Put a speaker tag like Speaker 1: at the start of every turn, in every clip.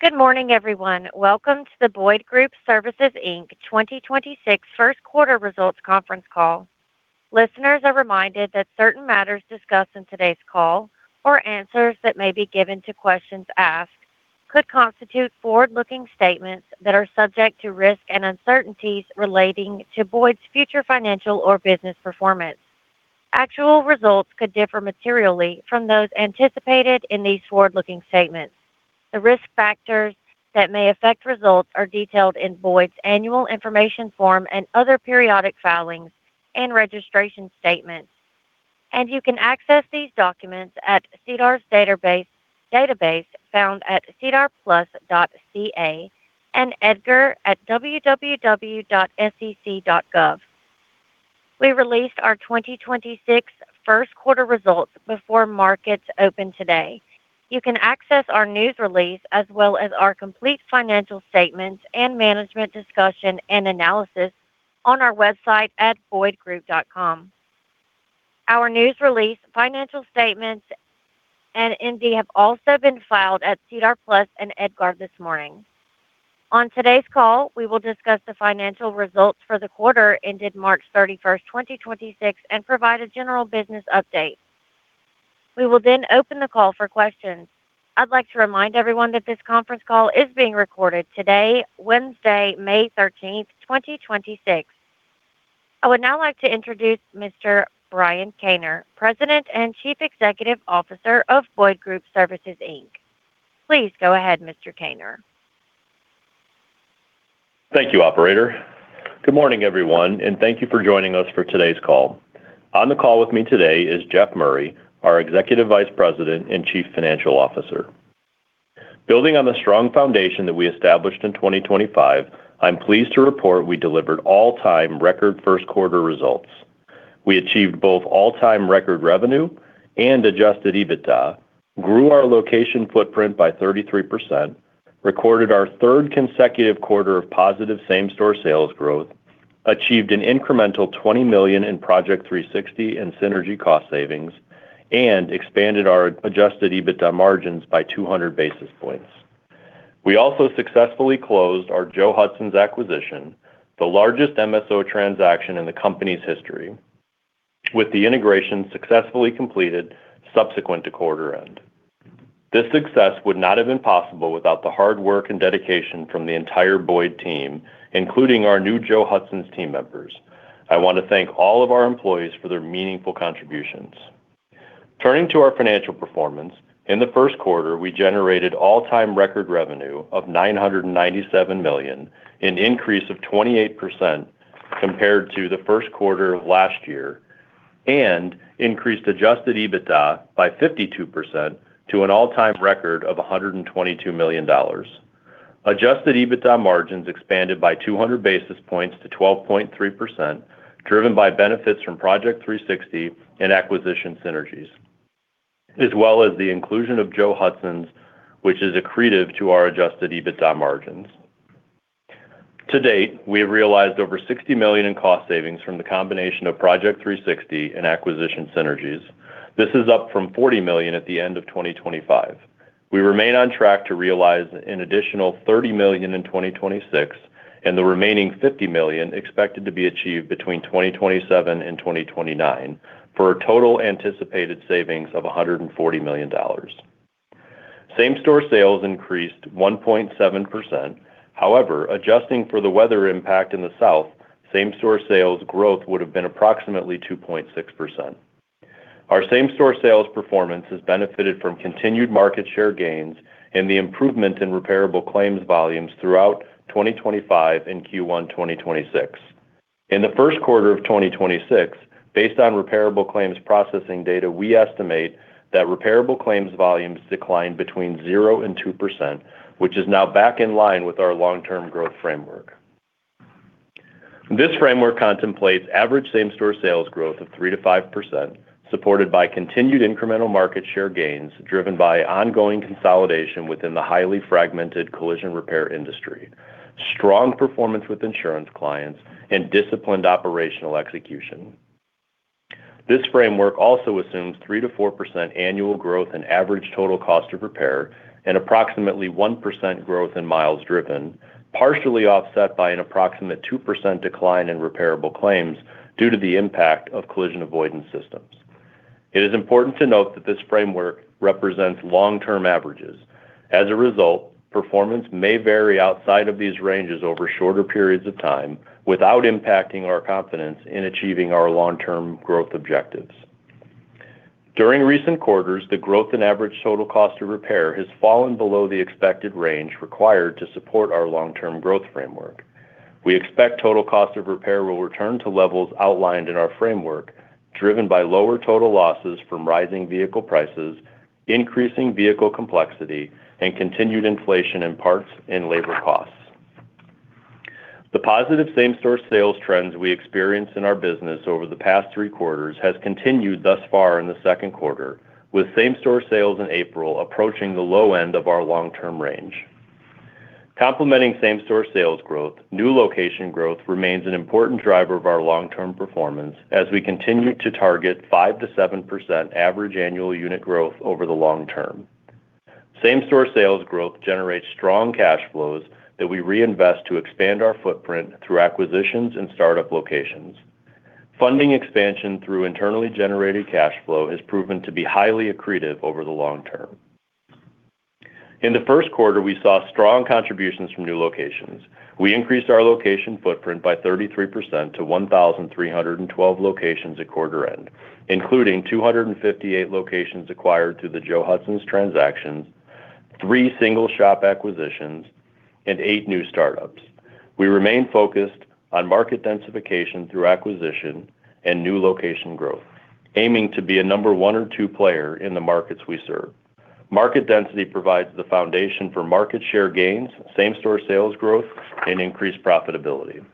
Speaker 1: Good morning, everyone. Welcome to the Boyd Group Services Inc. 2026 first quarter results conference call. Listeners are reminded that certain matters discussed in today's call or answers that may be given to questions asked could constitute forward-looking statements that are subject to risks and uncertainties relating to Boyd's future financial or business performance. Actual results could differ materially from those anticipated in these forward-looking statements. The risk factors that may affect results are detailed in Boyd's annual information form and other periodic filings and registration statements. You can access these documents at SEDAR's database found at sedarplus.ca and EDGAR at www.sec.gov. We released our 2026 first quarter results before markets open today. You can access our news release as well as our complete financial statements and management discussion and analysis on our website at boydgroup.com. Our news release, financial statements, and MD have also been filed at SEDAR+ and EDGAR this morning. On today's call, we will discuss the financial results for the quarter ended March 31st, 2026 and provide a general business update. We will then open the call for questions. I'd like to remind everyone that this conference call is being recorded today, Wednesday, May 13th, 2026. I would now like to introduce Mr. Brian Kaner, President and Chief Executive Officer of Boyd Group Services, Inc. Please go ahead, Mr. Kaner.
Speaker 2: Thank you, operator. Good morning, everyone, and thank you for joining us for today's call. On the call with me today is Jeff Murray, our Executive Vice President and Chief Financial Officer. Building on the strong foundation that we established in 2025, I'm pleased to report we delivered all-time record first quarter results. We achieved both all-time record revenue and adjusted EBITDA, grew our location footprint by 33%, recorded our third consecutive quarter of positive same-store sales growth, achieved an incremental 20 million in Project 360 and synergy cost savings, and expanded our adjusted EBITDA margins by 200 basis points. We also successfully closed our Joe Hudson's acquisition, the largest MSO transaction in the company's history, with the integration successfully completed subsequent to quarter end. This success would not have been possible without the hard work and dedication from the entire Boyd team, including our new Joe Hudson's team members. I want to thank all of our employees for their meaningful contributions. Turning to our financial performance, in the first quarter, we generated all-time record revenue of 997 million, an increase of 28% compared to the first quarter of last year, and increased adjusted EBITDA by 52% to an all-time record of 122 million dollars. Adjusted EBITDA margins expanded by 200 basis points to 12.3%, driven by benefits from Project 360 and acquisition synergies, as well as the inclusion of Joe Hudson's, which is accretive to our adjusted EBITDA margins. To date, we have realized over 60 million in cost savings from the combination of Project 360 and acquisition synergies. This is up from 40 million at the end of 2025. We remain on track to realize an additional 30 million in 2026, and the remaining 50 million expected to be achieved between 2027 and 2029, for a total anticipated savings of 140 million dollars. Same-store sales increased 1.7%. However, adjusting for the weather impact in the South, same-store sales growth would have been approximately 2.6%. Our same-store sales performance has benefited from continued market share gains and the improvement in repairable claims volumes throughout 2025 and Q1 2026. In the first quarter of 2026, based on repairable claims processing data, we estimate that repairable claims volumes declined between 0%-2%, which is now back in line with our long-term growth framework. This framework contemplates average same-store sales growth of 3%-5%, supported by continued incremental market share gains driven by ongoing consolidation within the highly fragmented collision repair industry, strong performance with insurance clients, and disciplined operational execution. This framework also assumes 3%-4% annual growth in average total cost of repair and approximately 1% growth in miles driven, partially offset by an approximate 2% decline in repairable claims due to the impact of collision avoidance systems. It is important to note that this framework represents long-term averages. As a result, performance may vary outside of these ranges over shorter periods of time without impacting our confidence in achieving our long-term growth objectives. During recent quarters, the growth in average total cost of repair has fallen below the expected range required to support our long-term growth framework. We expect total cost of repair will return to levels outlined in our framework, driven by lower total losses from rising vehicle prices, increasing vehicle complexity, and continued inflation in parts and labor costs. The positive same-store sales trends we experienced in our business over the past three quarters has continued thus far in the second quarter, with same-store sales in April approaching the low end of our long-term range. Complementing same-store sales growth, new location growth remains an important driver of our long-term performance as we continue to target 5%-7% average annual unit growth over the long term. Same-store sales growth generates strong cash flows that we reinvest to expand our footprint through acquisitions and startup locations. Funding expansion through internally generated cash flow has proven to be highly accretive over the long term. In the first quarter, we saw strong contributions from new locations. We increased our location footprint by 33% to 1,312 locations at quarter end, including 258 locations acquired to the Joe Hudson's transactions, three single-shop acquisitions, and eight new startups. We remain focused on market densification through acquisition and new location growth, aiming to be a number one or two player in the markets we serve. Market density provides the foundation for market share gains, same-store sales growth, and increased profitability.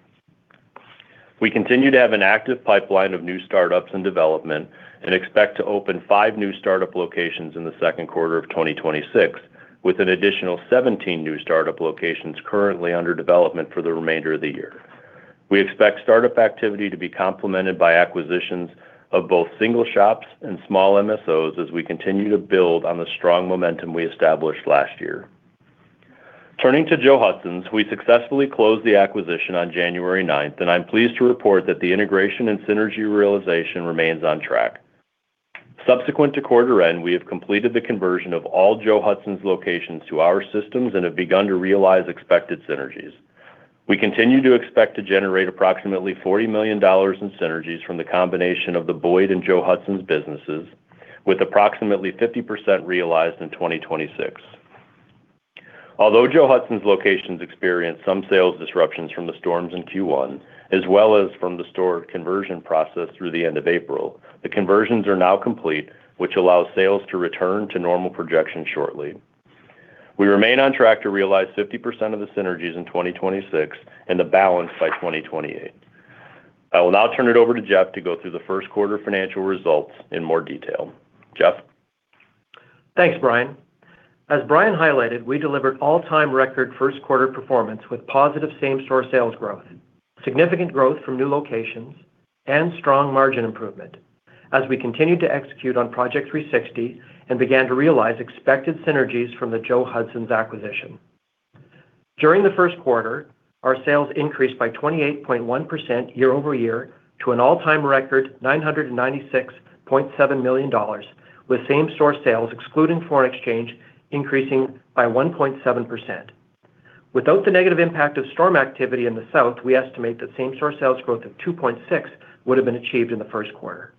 Speaker 2: We continue to have an active pipeline of new startups in development and expect to open five new startup locations in the second quarter of 2026, with an additional 17 new startup locations currently under development for the remainder of the year. We expect startup activity to be complemented by acquisitions of both single shops and small MSOs as we continue to build on the strong momentum we established last year. Turning to Joe Hudson's, we successfully closed the acquisition on January 9th. I'm pleased to report that the integration and synergy realization remains on track. Subsequent to quarter end, we have completed the conversion of all Joe Hudson's locations to our systems and have begun to realize expected synergies. We continue to expect to generate approximately 40 million dollars in synergies from the combination of the Boyd and Joe Hudson's businesses, with approximately 50% realized in 2026. Although Joe Hudson's locations experienced some sales disruptions from the storms in Q1, as well as from the store conversion process through the end of April, the conversions are now complete, which allows sales to return to normal projection shortly. We remain on track to realize 50% of the synergies in 2026 and the balance by 2028. I will now turn it over to Jeff to go through the first quarter financial results in more detail. Jeff?
Speaker 3: Thanks, Brian. As Brian highlighted, we delivered all-time record first quarter performance with positive same-store sales growth, significant growth from new locations, and strong margin improvement as we continued to execute on Project 360 and began to realize expected synergies from the Joe Hudson's acquisition. During the first quarter, our sales increased by 28.1% year-over-year to an all-time record, 996.7 million dollars, with same-store sales, excluding foreign exchange, increasing by 1.7%. Without the negative impact of storm activity in the South, we estimate that same-store sales growth of 2.6% would have been achieved in the first quarter.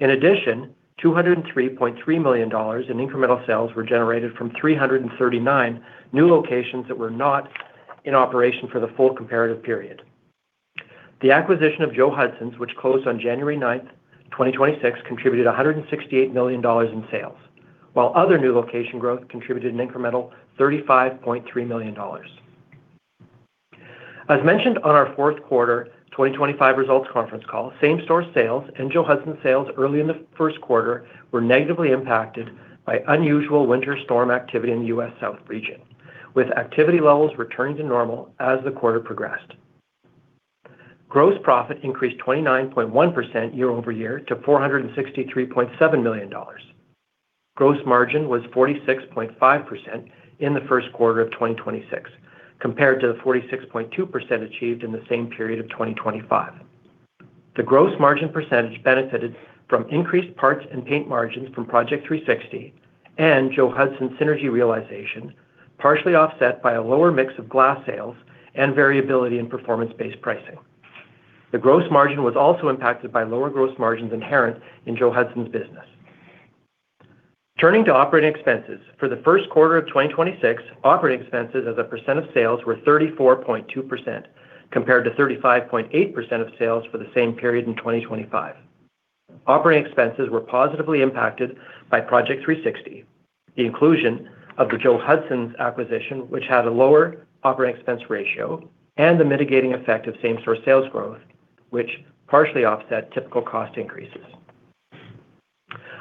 Speaker 3: In addition, 203.3 million dollars in incremental sales were generated from 339 new locations that were not in operation for the full comparative period. The acquisition of Joe Hudson's, which closed on January 9th, 2026, contributed 168 million dollars in sales, while other new location growth contributed an incremental 35.3 million dollars. As mentioned on our fourth quarter 2025 results conference call, same-store sales and Joe Hudson's sales early in the first quarter were negatively impacted by unusual winter storm activity in the U.S. South region, with activity levels returning to normal as the quarter progressed. Gross profit increased 29.1% year-over-year to 463.7 million dollars. Gross margin was 46.5% in the first quarter of 2026 compared to the 46.2% achieved in the same period of 2025. The gross margin percentage benefited from increased parts and paint margins from Project 360 and Joe Hudson's synergy realization, partially offset by a lower mix of glass sales and variability in performance-based pricing. The gross margin was also impacted by lower gross margins inherent in Joe Hudson's business. Turning to operating expenses. For the first quarter of 2026, operating expenses as a percent of sales were 34.2% compared to 35.8% of sales for the same period in 2025. Operating expenses were positively impacted by Project 360, the inclusion of the Joe Hudson's acquisition, which had a lower operating expense ratio, and the mitigating effect of same-store sales growth, which partially offset typical cost increases.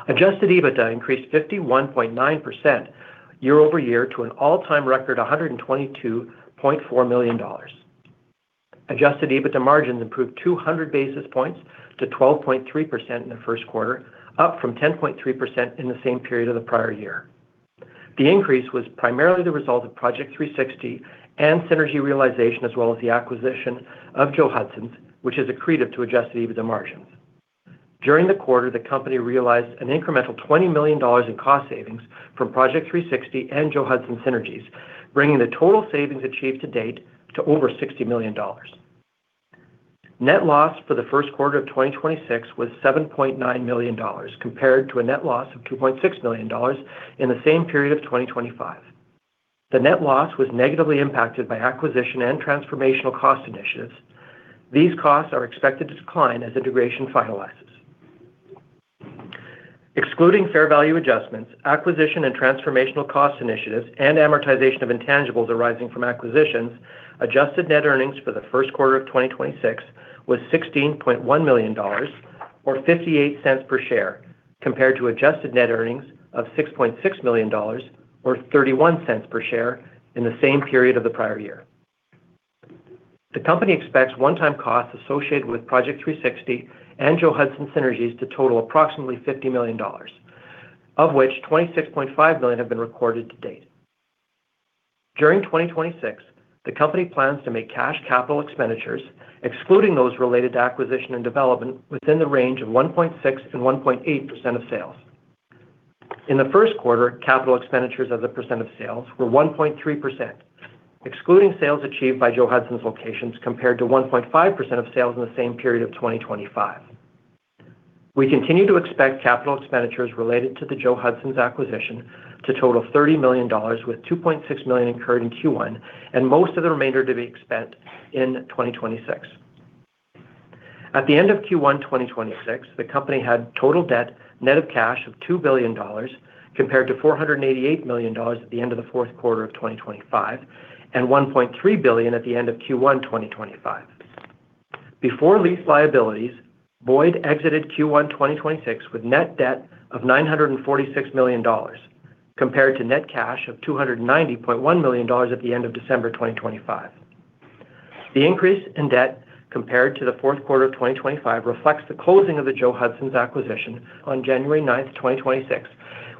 Speaker 3: Adjusted EBITDA increased 51.9% year-over-year to an all-time record, 122.4 million dollars. Adjusted EBITDA margins improved 200 basis points to 12.3% in the first quarter, up from 10.3% in the same period of the prior year. The increase was primarily the result of Project 360 and synergy realization, as well as the acquisition of Joe Hudson's, which is accretive to adjusted EBITDA margins. During the quarter, the company realized an incremental 20 million dollars in cost savings from Project 360 and Joe Hudson's synergies, bringing the total savings achieved to date to over 60 million dollars. Net loss for the first quarter of 2026 was 7.9 million dollars compared to a net loss of 2.6 million dollars in the same period of 2025. The net loss was negatively impacted by acquisition and transformational cost initiatives. These costs are expected to decline as integration finalizes. Excluding fair value adjustments, acquisition and transformational cost initiatives, and amortization of intangibles arising from acquisitions, adjusted net earnings for the first quarter of 2026 was 16.1 million dollars or 0.58 per share compared to adjusted net earnings of 6.6 million dollars or 0.31 per share in the same period of the prior year. The company expects one-time costs associated with Project 360 and Joe Hudson's synergies to total approximately 50 million dollars, of which 26.5 million have been recorded to date. During 2026, the company plans to make cash capital expenditures, excluding those related to acquisition and development, within the range of 1.6% and 1.8% of sales. In the first quarter, capital expenditures as a percent of sales were 1.3%, excluding sales achieved by Joe Hudson's locations compared to 1.5% of sales in the same period of 2025. We continue to expect capital expenditures related to the Joe Hudson's acquisition to total 30 million dollars with 2.6 million incurred in Q1 and most of the remainder to be spent in 2026. At the end of Q1 2026, the company had total debt net of cash of 2 billion dollars compared to 488 million dollars at the end of the fourth quarter of 2025 and 1.3 billion at the end of Q1 2025. Before lease liabilities, Boyd exited Q1 2026 with net debt of 946 million dollars compared to net cash of 290.1 million dollars at the end of December 2025. The increase in debt compared to the fourth quarter of 2025 reflects the closing of the Joe Hudson's acquisition on January 9th, 2026,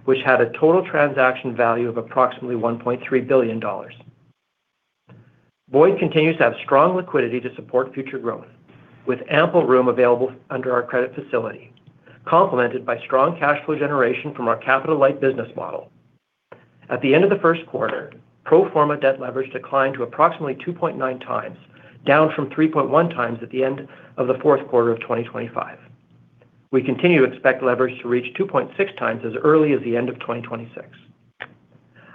Speaker 3: which had a total transaction value of approximately 1.3 billion dollars. Boyd continues to have strong liquidity to support future growth, with ample room available under our credit facility, complemented by strong cash flow generation from our capital-light business model. At the end of the first quarter, pro forma debt leverage declined to approximately 2.9 times, down from 3.1 times at the end of the fourth quarter of 2025. We continue to expect leverage to reach 2.6 times as early as the end of 2026.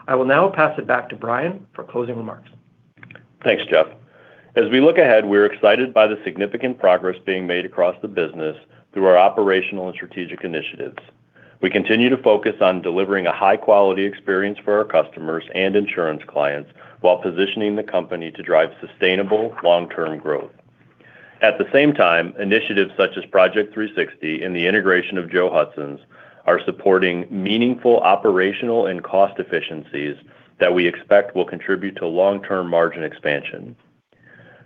Speaker 3: I will now pass it back to Brian for closing remarks.
Speaker 2: Thanks, Jeff. As we look ahead, we're excited by the significant progress being made across the business through our operational and strategic initiatives. We continue to focus on delivering a high-quality experience for our customers and insurance clients while positioning the company to drive sustainable long-term growth. At the same time, initiatives such as Project 360 and the integration of Joe Hudson's are supporting meaningful operational and cost efficiencies that we expect will contribute to long-term margin expansion.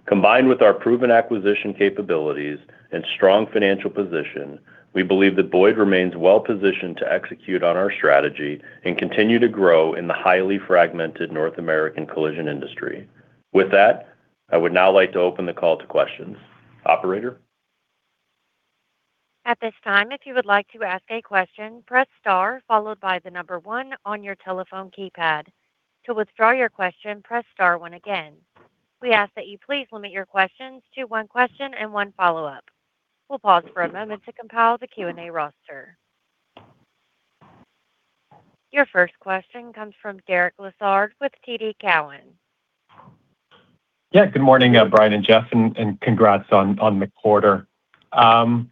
Speaker 2: Combined with our proven acquisition capabilities and strong financial position, we believe that Boyd remains well-positioned to execute on our strategy and continue to grow in the highly fragmented North American collision industry. With that, I would now like to open the call to questions. Operator?
Speaker 1: At this time, if you would like to ask a question, press star followed by the number one on your telephone keypad. To withdraw your question, press star one again. We ask that you please limit your questions to one question and one follow up. We'll pause for a moment to compile the Q&A roster. Your first question comes from Derek Lessard with TD Cowen.
Speaker 4: Good morning, Brian and Jeff, and congrats on the quarter. One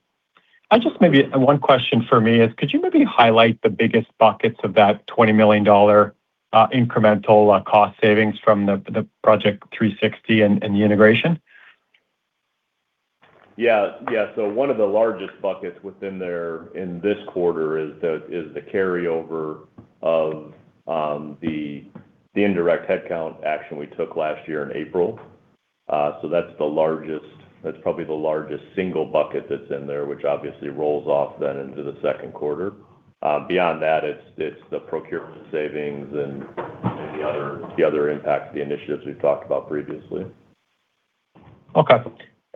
Speaker 4: question for me is, could you maybe highlight the biggest buckets of that 20 million dollar incremental cost savings from the Project 360 and the integration?
Speaker 2: Yeah, one of the largest buckets within there in this quarter is the carryover of the indirect headcount action we took last year in April. That's probably the largest single bucket that's in there, which obviously rolls off then into the second quarter. Beyond that, it's the procurement savings and the other impacts of the initiatives we've talked about previously.
Speaker 4: Okay,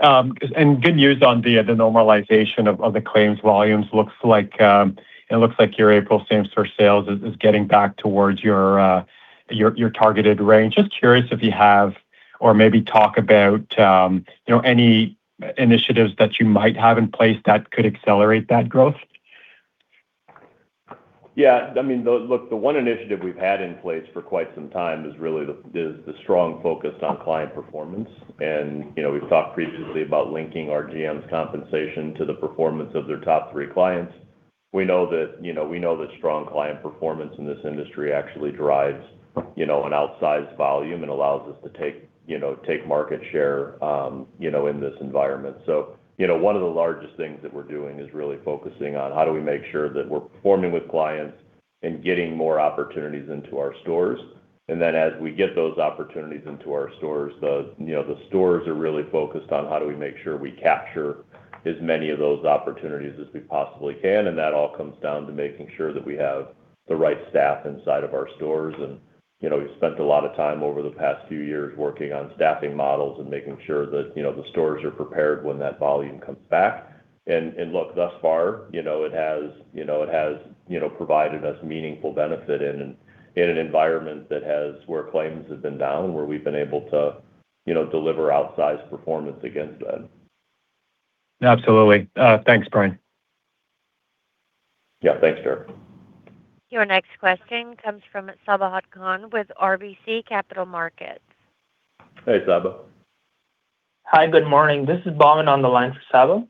Speaker 4: good news on the normalization of the claims volumes. Looks like your April same-store sales is getting back towards your targeted range. Just curious if you have or maybe talk about, you know, any initiatives that you might have in place that could accelerate that growth.
Speaker 2: Yeah, I mean, look, the one initiative we've had in place for quite some time is really the strong focus on client performance. You know, we've talked previously about linking our GMs compensation to the performance of their top three clients. We know that strong client performance in this industry actually drives, you know, an outsized volume and allows us to take market share, you know, in this environment. You know, one of the largest things that we're doing is really focusing on how do we make sure that we're performing with clients and getting more opportunities into our stores. As we get those opportunities into our stores, you know, the stores are really focused on how do we make sure we capture as many of those opportunities as we possibly can. That all comes down to making sure that we have the right staff inside of our stores. You know, we've spent a lot of time over the past few years working on staffing models and making sure that, you know, the stores are prepared when that volume comes back. Look, thus far, you know, it has, you know, provided us meaningful benefit in an environment that has where claims have been down, where we've been able to, you know, deliver outsized performance against that.
Speaker 4: Absolutely. Thanks, Brian.
Speaker 2: Yeah. Thanks, Derek.
Speaker 1: Your next question comes from Sabahat Khan with RBC Capital Markets.
Speaker 2: Hey, Sabah.
Speaker 5: Hi, good morning. This is Bahman on the line for Sabah.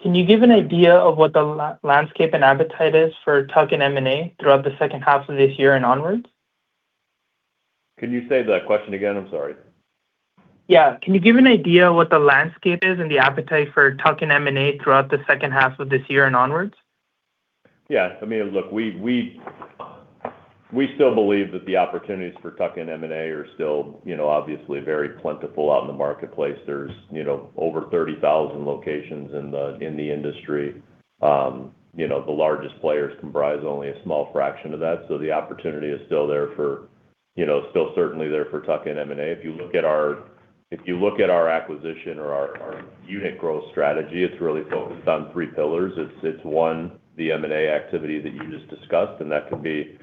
Speaker 5: Can you give an idea of what the landscape and appetite is for tuck-in M&A throughout the second half of this year and onwards?
Speaker 2: Can you say that question again? I'm sorry.
Speaker 5: Yeah. Can you give an idea what the landscape is and the appetite for tuck-in M&A throughout the second half of this year and onwards?
Speaker 2: Yeah. I mean, look, we still believe that the opportunities for tuck-in M&A are still, you know, obviously very plentiful out in the marketplace. There's, you know, over 30,000 locations in the industry. The largest players comprise only a small fraction of that, so the opportunity is still there for, you know, certainly there for tuck-in M&A. If you look at our acquisition or our unit growth strategy, it's really focused on three pillars. It's one, the M&A activity that you just discussed, and that can be,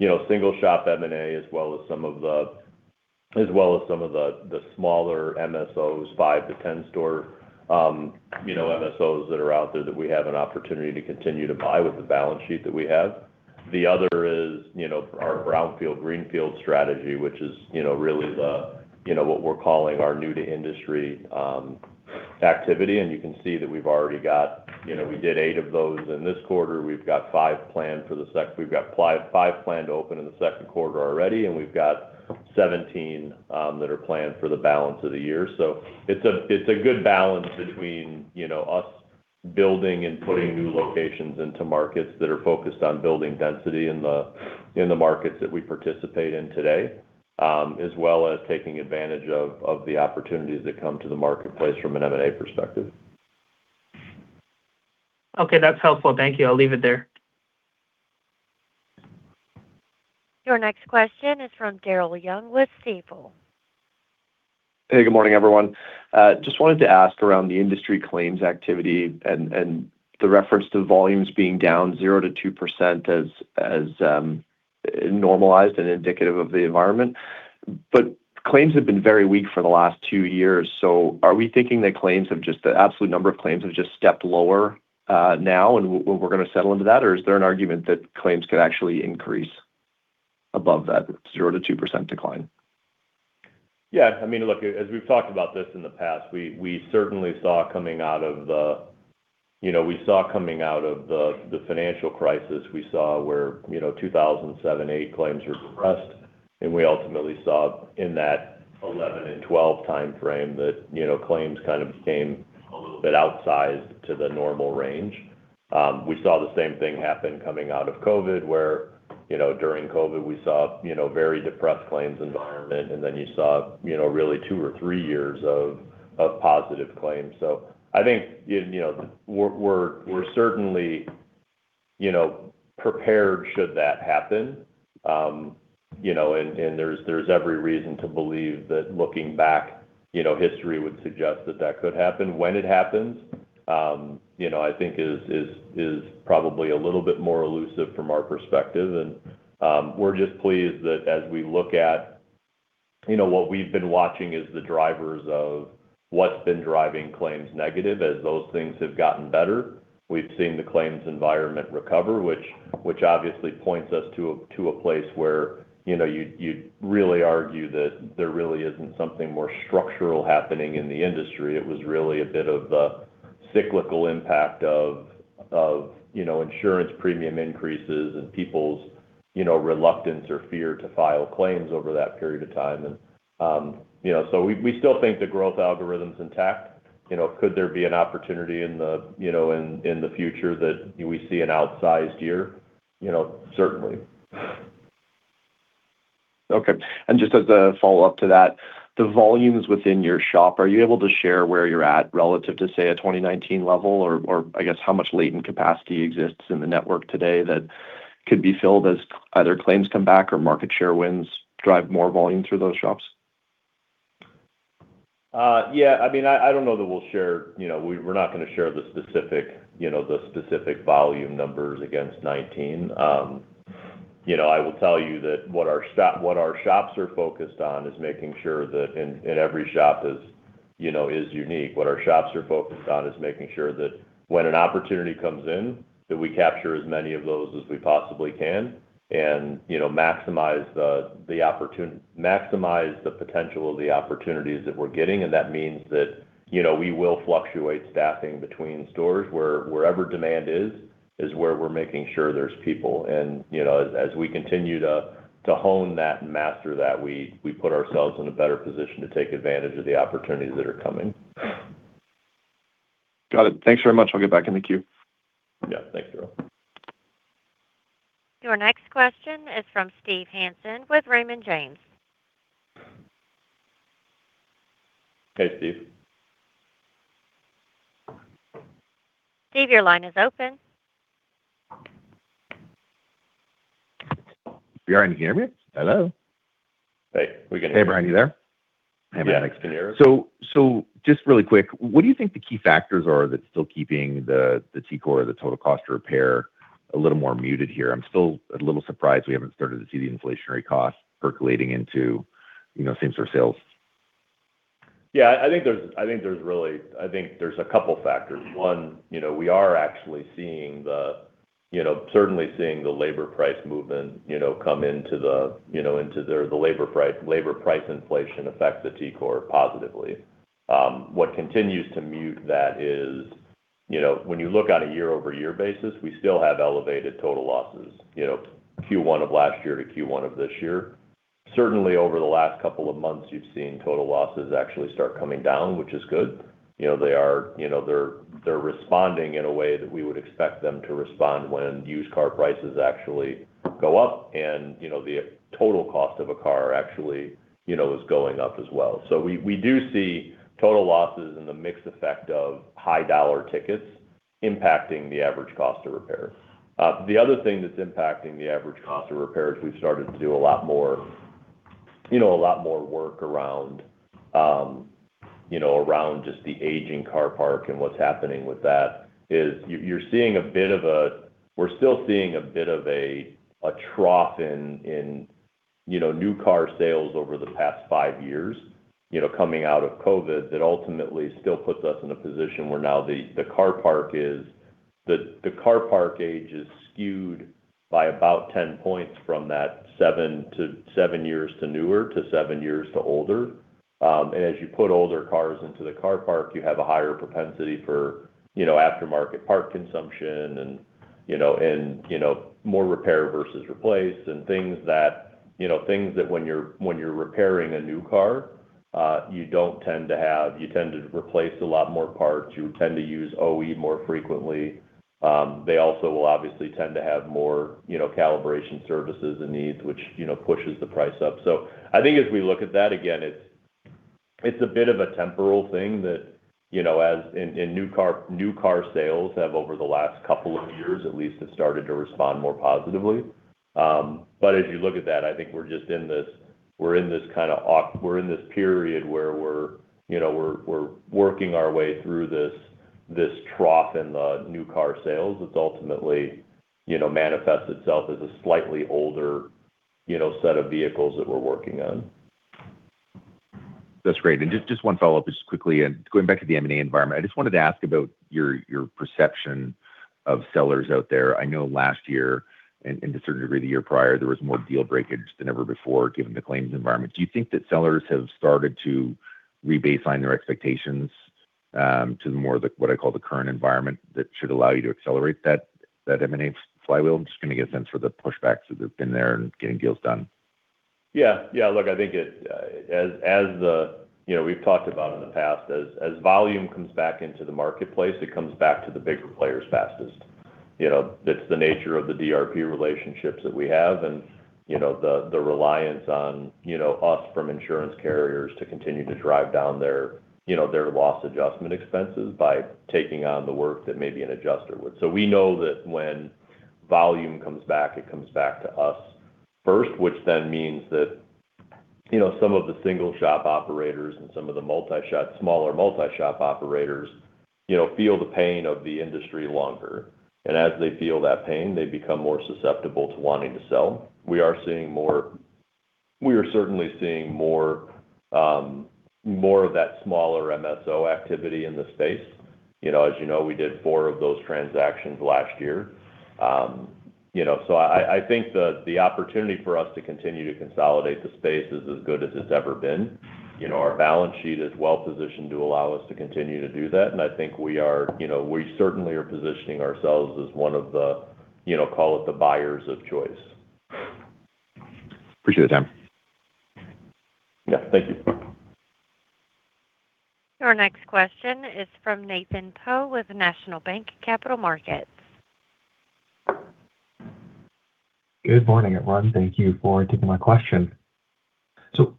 Speaker 2: you know, single shop M&A as well as some of the smaller MSOs, 5-10 store, you know, MSOs that are out there that we have an opportunity to continue to buy with the balance sheet that we have. The other is, you know, our brownfield-greenfield strategy, which is, you know, really, you know, what we're calling our new to industry activity. You can see that we've already got. You know, we did eight of those in this quarter. We've got five planned to open in the second quarter already, we've got 17 that are planned for the balance of the year. It's a good balance between, you know, us building and putting new locations into markets that are focused on building density in the markets that we participate in today, as well as taking advantage of the opportunities that come to the marketplace from an M&A perspective.
Speaker 5: Okay, that's helpful. Thank you, I'll leave it there.
Speaker 1: Your next question is from Daryl Young with Stifel.
Speaker 6: Hey, good morning, everyone. Just wanted to ask around the industry claims activity and the reference to volumes being down 0%-2% as normalized and indicative of the environment. Claims have been very weak for the last two years. Are we thinking that the absolute number of claims have just stepped lower now and we're gonna settle into that? Is there an argument that claims could actually increase above that 0%-2% decline?
Speaker 2: Yeah. I mean, look, as we've talked about this in the past, we certainly saw coming out of the, you know, we saw coming out of the financial crisis, we saw where, you know, 2007, 2008 claims were depressed. We ultimately saw in that 2011 and 2012 timeframe that, you know, claims kind of became a little bit outsized to the normal range. We saw the same thing happen coming out of COVID, where, you know, during COVID we saw, you know, very depressed claims environment, you saw, you know, really two or three years of positive claims. I think, you know, we're certainly, you know, prepared should that happen. You know, there's every reason to believe that looking back, you know, history would suggest that that could happen. When it happens, you know, I think is probably a little bit more elusive from our perspective and we're just pleased that as we look at You know, what we've been watching is the drivers of what's been driving claims negative. As those things have gotten better, we've seen the claims environment recover, which obviously points us to a place where, you know, you'd really argue that there really isn't something more structural happening in the industry. It was really a bit of the cyclical impact of, you know, insurance premium increases and people's, you know, reluctance or fear to file claims over that period of time. We still think the growth algorithm's intact. You know, could there be an opportunity in the, you know, in the future that we see an outsized year? You know, certainly.
Speaker 6: Okay. Just as a follow-up to that, the volumes within your shop, are you able to share where you're at relative to, say, a 2019 level? Or I guess how much latent capacity exists in the network today that could be filled as either claims come back or market share wins drive more volume through those shops?
Speaker 2: Yeah. I mean, I don't know that we'll share. You know, we're not gonna share the specific, you know, the specific volume numbers against 2019. You know, I will tell you that what our shops are focused on is making sure that in every shop is, you know, is unique. What our shops are focused on is making sure that when an opportunity comes in, that we capture as many of those as we possibly can and, you know, maximize the potential of the opportunities that we're getting, and that means that, you know, we will fluctuate staffing between stores. Wherever demand is where we're making sure there's people. You know, as we continue to hone that and master that, we put ourselves in a better position to take advantage of the opportunities that are coming.
Speaker 6: Got it. Thanks very much, I'll get back in the queue.
Speaker 2: Yeah. Thanks, Daryl.
Speaker 1: Your next question is from Steve Hansen with Raymond James.
Speaker 2: Hey, Steve.
Speaker 1: Steve, your line is open.
Speaker 7: Brian, can you hear me? Hello?
Speaker 2: Hey. We can hear you.
Speaker 7: Hey, Brian, you there?
Speaker 2: Yeah, I can hear you.
Speaker 7: Just really quick, what do you think the key factors are that's still keeping the TCOR, the total cost to repair, a little more muted here? I'm still a little surprised we haven't started to see the inflationary costs percolating into, you know, same-store sales.
Speaker 2: Yeah. I think there's really, a couple factors. We are actually seeing the, you know, certainly seeing the labor price movement, you know, come into the, you know, into the labor price inflation affect the TCOR positively. What continues to mute that is, you know, when you look on a year-over-year basis, we still have elevated total losses. Q1 of last year to Q1 of this year. Certainly over the last couple of months, you've seen total losses actually start coming down, which is good. They are, you know, they're responding in a way that we would expect them to respond when used car prices actually go up and, you know, the total cost of a car actually, you know, is going up as well. We do see total losses and the mixed effect of high dollar tickets impacting the average cost of repair. The other thing that's impacting the average cost of repair is we've started to do a lot more, you know, a lot more work around, you know, around just the aging car parc and what's happening with that is we're still seeing a bit of a trough in, you know, new car sales over the past five years, you know, coming out of COVID that ultimately still puts us in a position where now the car parc age is skewed by about 10 points from that seven years to newer to seven years to older. And as you put older cars into the car parc, you have a higher propensity for, you know, aftermarket part consumption and, you know, and, you know, more repair versus replace and things that, you know, things that when you're repairing a new car, you don't tend to have. You tend to replace a lot more parts. You tend to use OE more frequently. They also will obviously tend to have more, you know, calibration services and needs, which, you know, pushes the price up. I think as we look at that, again, it's a bit of a temporal thing that, you know, as in new car sales have over the last couple of years at least have started to respond more positively. As you look at that, I think we're just in this kind of period where we're, you know, working our way through this trough in the new car sales that ultimately, you know, manifests itself as a slightly older, you know, set of vehicles that we're working on.
Speaker 7: That's great. Just one follow-up just quickly. Going back to the M&A environment, I just wanted to ask about your perception of sellers out there. I know last year and to a certain degree the year prior, there was more deal breakage than ever before given the claims environment. Do you think that sellers have started to rebaseline their expectations to more of the, what I call the current environment that should allow you to accelerate that M&A flywheel? I'm just gonna get a sense for the pushbacks that have been there in getting deals done.
Speaker 2: Yeah. Yeah, look, I think it, as the, you know, we've talked about in the past, as volume comes back into the marketplace, it comes back to the bigger players fastest. You know, it's the nature of the DRP relationships that we have and, you know, the reliance on, you know, us from insurance carriers to continue to drive down their, you know, their loss adjustment expenses by taking on the work that maybe an adjuster would. We know that when volume comes back, it comes back to us first, which then means that, you know, some of the single shop operators and some of the multi-shop, smaller multi-shop operators, you know, feel the pain of the industry longer. As they feel that pain, they become more susceptible to wanting to sell. We are certainly seeing more, more of that smaller MSO activity in the space. You know, as you know, we did four of those transactions last year. You know, so I think the opportunity for us to continue to consolidate the space is as good as it's ever been. You know, our balance sheet is well-positioned to allow us to continue to do that, and I think we are, you know, we certainly are positioning ourselves as one of the, you know, call it the buyers of choice.
Speaker 7: Appreciate the time.
Speaker 2: Yeah, thank you.
Speaker 1: Our next question is from Nathan Po with National Bank Capital Markets.
Speaker 8: Good morning, everyone. Thank you for taking my question.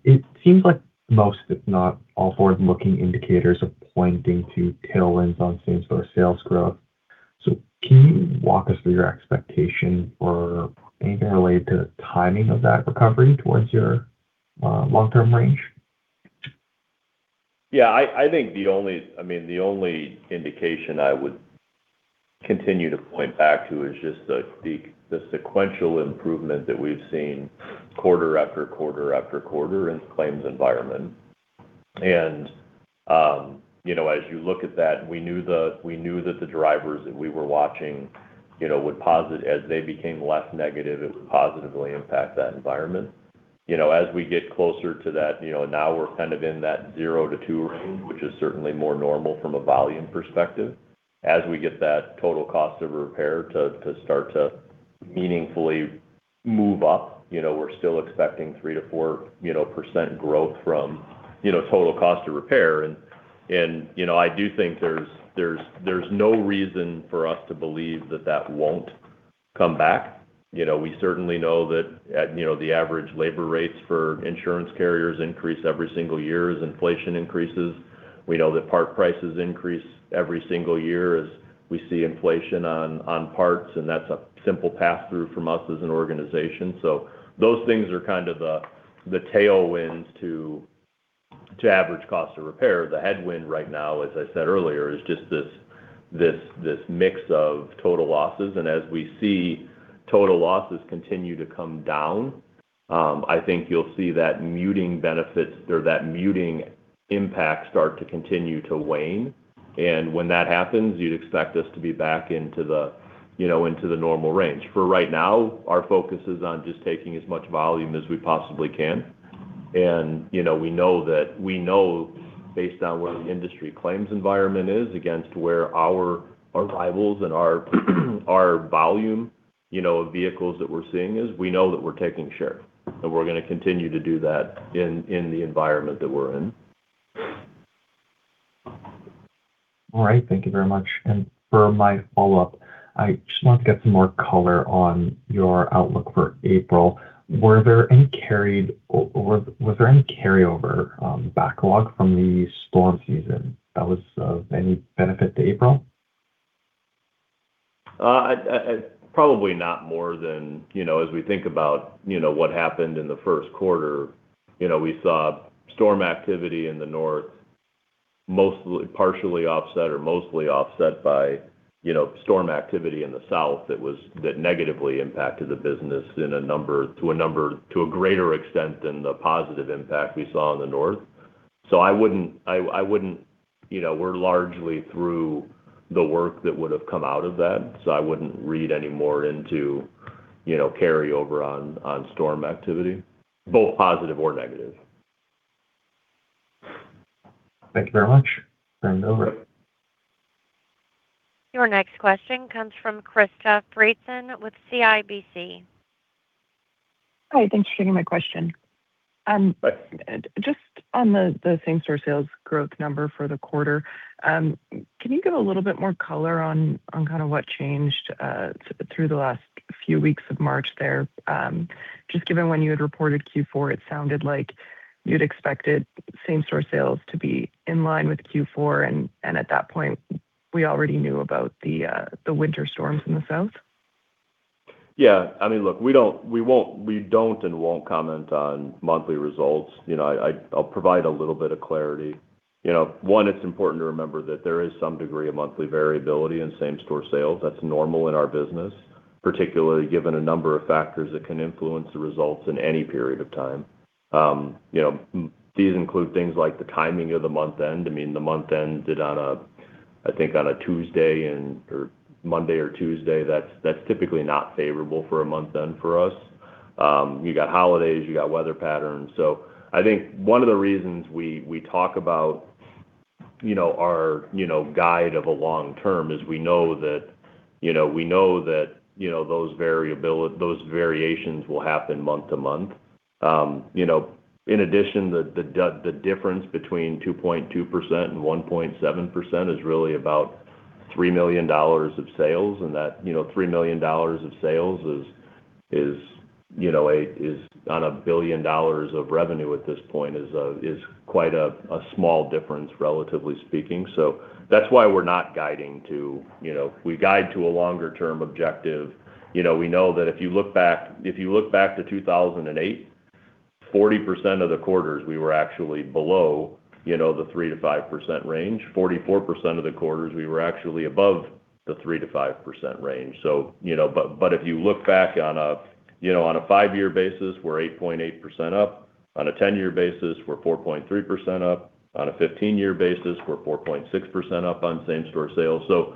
Speaker 8: It seems like most, if not all forward-looking indicators are pointing to tailwinds on same-store sales growth. Can you walk us through your expectation for anything related to timing of that recovery towards your long-term range?
Speaker 2: Yeah, I think the only, I mean, the only indication I would continue to point back to is just the, the sequential improvement that we've seen quarter after quarter after quarter in the claims environment. You know, as you look at that, we knew that the drivers that we were watching, you know, would posit as they became less negative, it would positively impact that environment. You know, as we get closer to that, you know, now we're kind of in that 0%-2% range, which is certainly more normal from a volume perspective. As we get that total cost of repair to start to meaningfully move up, you know, we're still expecting 3%-4%, you know, growth from, you know, total cost of repair. You know, I do think there's no reason for us to believe that that won't come back. You know, we certainly know that the average labor rates for insurance carriers increase every single year as inflation increases. We know that part prices increase every single year as we see inflation on parts, and that's a simple pass-through from us as an organization. Those things are kind of the tailwinds to average cost of repair. The headwind right now, as I said earlier, is just this mix of total losses. As we see total losses continue to come down, I think you'll see that muting benefit or that muting impact start to continue to wane. When that happens, you'd expect us to be back into the, you know, normal range. For right now, our focus is on just taking as much volume as we possibly can. You know, we know based on what the industry claims environment is against where our rivals and our volume, you know, of vehicles that we're seeing is, we know that we're taking share. We're gonna continue to do that in the environment that we're in.
Speaker 8: All right, thank you very much. For my follow-up, I just want to get some more color on your outlook for April. Were there any or was there any carryover backlog from the storm season that was of any benefit to April?
Speaker 2: Probably not more than, you know, as we think about, you know, what happened in the first quarter, you know, we saw storm activity in the North partially offset or mostly offset by, you know, storm activity in the South that negatively impacted the business to a greater extent than the positive impact we saw in the North. You know, we're largely through the work that would have come out of that, so I wouldn't read any more into, you know, carryover on storm activity, both positive or negative.
Speaker 8: Thank you very much. I'll turn it over.
Speaker 1: Your next question comes from Krista Friesen with CIBC.
Speaker 9: Hi, thanks for taking my question. Just on the same-store sales growth number for the quarter, can you give a little bit more color on kind of what changed through the last few weeks of March there? Just given when you had reported Q4, it sounded like you'd expected same-store sales to be in line with Q4 and at that point we already knew about the winter storms in the South.
Speaker 2: Yeah. I mean, look, we don't and won't comment on monthly results. You know, I'll provide a little bit of clarity. You know, one, it's important to remember that there is some degree of monthly variability in same-store sales. That's normal in our business, particularly given a number of factors that can influence the results in any period of time. You know, these include things like the timing of the month end. I mean, the month end did on a, I think on a Tuesday or Monday or Tuesday. That's typically not favorable for a month end for us. You got holidays, you got weather patterns. I think one of the reasons we talk about, you know, our, you know, guide of a long term is we know that, you know, those variations will happen month-to-month. You know, in addition, the difference between 2.2% and 1.7% is really about 3 million dollars of sales, and that, you know, 3 million dollars of sales is, you know, is on 1 billion dollars of revenue at this point is quite a small difference, relatively speaking. That's why we're not guiding to, you know. We guide to a longer term objective. You know, we know that if you look back, if you look back to 2008, 40% of the quarters we were actually below, you know, the 3%-5% range. 44% of the quarters we were actually above the 3%-5% range. If you look back on a, you know, on a five-year basis, we're 8.8% up. On a 10-year basis, we're 4.3% up. On a 15-year basis, we're 4.6% up on same-store sales.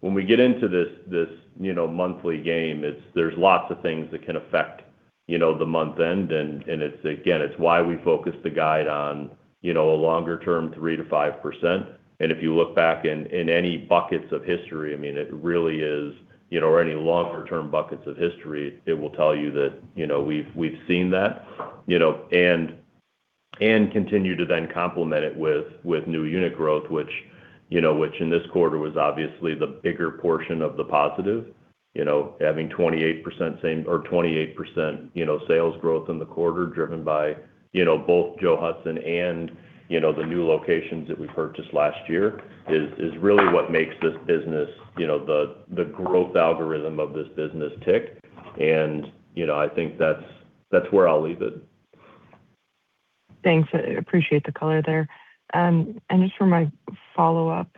Speaker 2: When we get into this, you know, monthly game, there's lots of things that can affect, you know, the month end and it's, again, it's why we focus the guide on, you know, a longer term 3%-5%. If you look back in any buckets of history, I mean, it really is, you know, or any longer term buckets of history, it will tell you that, you know, we've seen that. Continue to then complement it with new unit growth, which, you know, which in this quarter was obviously the bigger portion of the positive. Having 28% sales growth in the quarter driven by, you know, both Joe Hudson's and, you know, the new locations that we purchased last year is really what makes this business, you know, the growth algorithm of this business tick. You know, I think that's where I'll leave it.
Speaker 9: Thanks, I appreciate the color there. Just for my follow-up,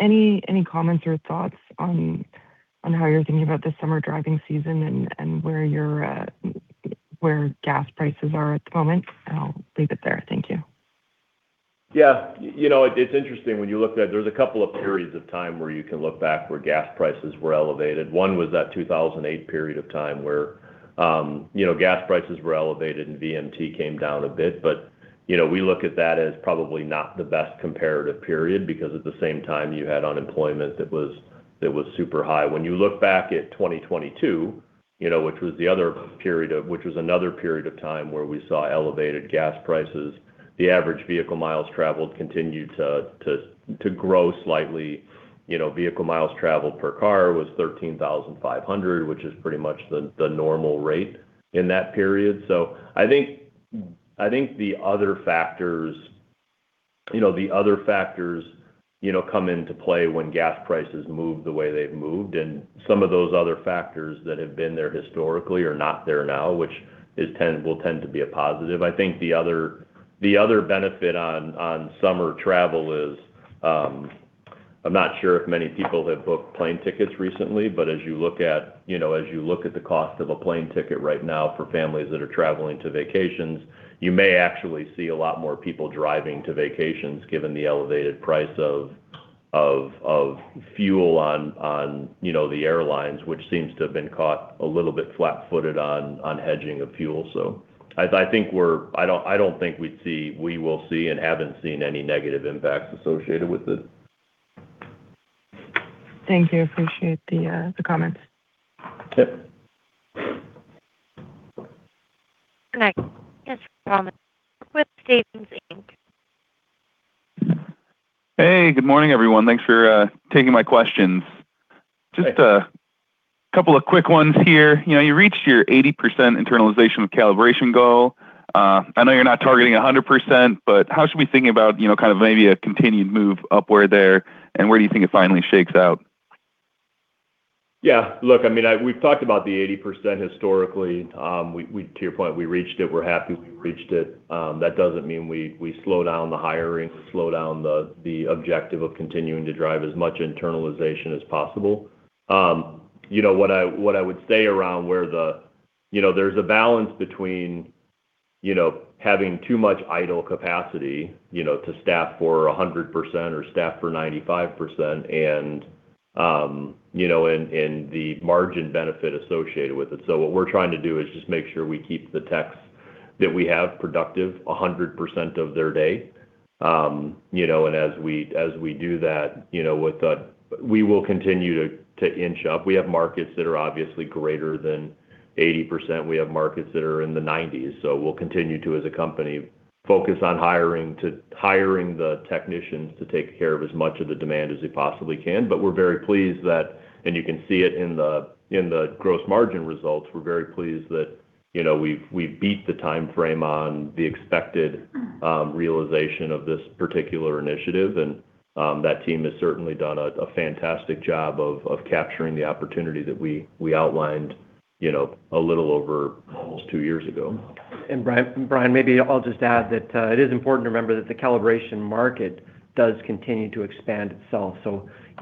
Speaker 9: any comments or thoughts on how you're thinking about the summer driving season and where your gas prices are at the moment? I'll leave it there. Thank you.
Speaker 2: You know, it's interesting when you look at there's a couple of periods of time where you can look back where gas prices were elevated. One was that 2008 period of time where, you know, gas prices were elevated and VMT came down a bit. You know, we look at that as probably not the best comparative period because at the same time you had unemployment that was super high. When you look back at 2022, you know, which was another period of time where we saw elevated gas prices, the average vehicle miles traveled continued to grow slightly. You know, vehicle miles traveled per car was 13,500, which is pretty much the normal rate in that period. I think the other factors, you know, come into play when gas prices move the way they've moved, and some of those other factors that have been there historically are not there now, which will tend to be a positive. I think the other benefit on summer travel is, I'm not sure if many people have booked plane tickets recently, but as you look at, you know, as you look at the cost of a plane ticket right now for families that are traveling to vacations, you may actually see a lot more people driving to vacations given the elevated price of fuel on, you know, the airlines, which seems to have been caught a little bit flat-footed on hedging of fuel. I don't think we will see and haven't seen any negative impacts associated with it.
Speaker 9: Thank you, appreciate the comments.
Speaker 2: Yep.
Speaker 1: Your next question comes from Thomas Wendler with Stephens.
Speaker 10: Hey, good morning, everyone. Thanks for taking my questions.
Speaker 2: Hey.
Speaker 10: Just a couple of quick ones here. You know, you reached your 80% internalization of calibration goal. I know you're not targeting a 100%, but how should we think about, you know, kind of maybe a continued move upward there, and where do you think it finally shakes out?
Speaker 2: Look, I mean, we've talked about the 80% historically. We, to your point, we reached it. We're happy we reached it. That doesn't mean we slow down the hiring, slow down the objective of continuing to drive as much internalization as possible. You know what I would say around where the, you know, there's a balance between, you know, having too much idle capacity, you know, to staff for a 100% or staff for 95% and, you know, and the margin benefit associated with it. What we're trying to do is just make sure we keep the techs that we have productive a 100% of their day. You know, and as we do that, you know, we will continue to inch up. We have markets that are obviously greater than 80%. We have markets that are in the 90s. We'll continue to, as a company, focus on hiring the technicians to take care of as much of the demand as they possibly can. We're very pleased that, and you can see it in the, in the gross margin results, we're very pleased that, you know, we've beat the timeframe on the expected realization of this particular initiative. That team has certainly done a fantastic job of capturing the opportunity that we outlined, you know, a little over almost two years ago.
Speaker 3: Brian, maybe I'll just add that, it is important to remember that the calibration market does continue to expand itself.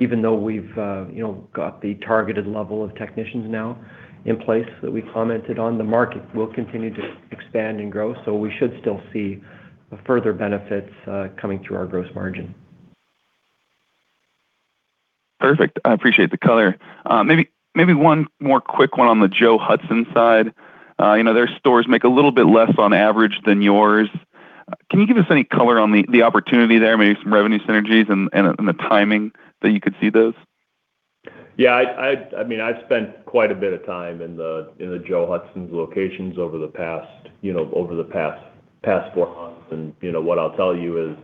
Speaker 3: Even though we've, you know, got the targeted level of technicians now in place that we commented on, the market will continue to expand and grow. We should still see further benefits, coming through our gross margin.
Speaker 10: Perfect, I appreciate the color. Maybe one more quick one on the Joe Hudson's side. You know, their stores make a little bit less on average than yours. Can you give us any color on the opportunity there, maybe some revenue synergies and the timing that you could see those?
Speaker 2: I mean, I've spent quite a bit of time in the Joe Hudson's locations over the past, you know, past four months. You know, what I'll tell you is,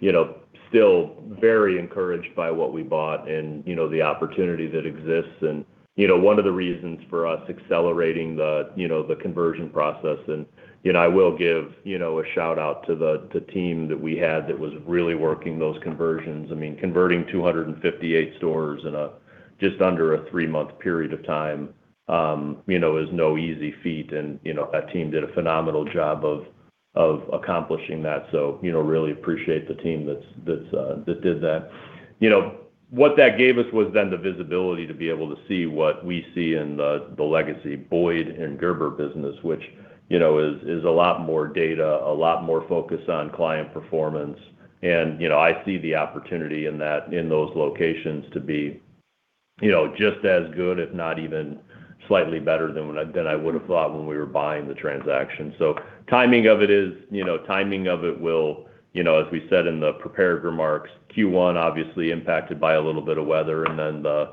Speaker 2: you know, still very encouraged by what we bought and, you know, the opportunity that exists. You know, one of the reasons for us accelerating the conversion process, and, you know, I will give, you know, a shout-out to the team that we had that was really working those conversions. I mean, converting 258 stores in just under a three-month period of time, you know, is no easy feat. You know, that team did a phenomenal job of accomplishing that. You know, really appreciate the team that's that did that. You know, what that gave us was then the visibility to be able to see what we see in the legacy Boyd and Gerber business, which, you know, is a lot more data, a lot more focus on client performance. You know, I see the opportunity in those locations to be, you know, just as good, if not even slightly better than I would've thought when we were buying the transaction. Timing of it is, you know, timing of it will, you know, as we said in the prepared remarks, Q1 obviously impacted by a little bit of weather and then the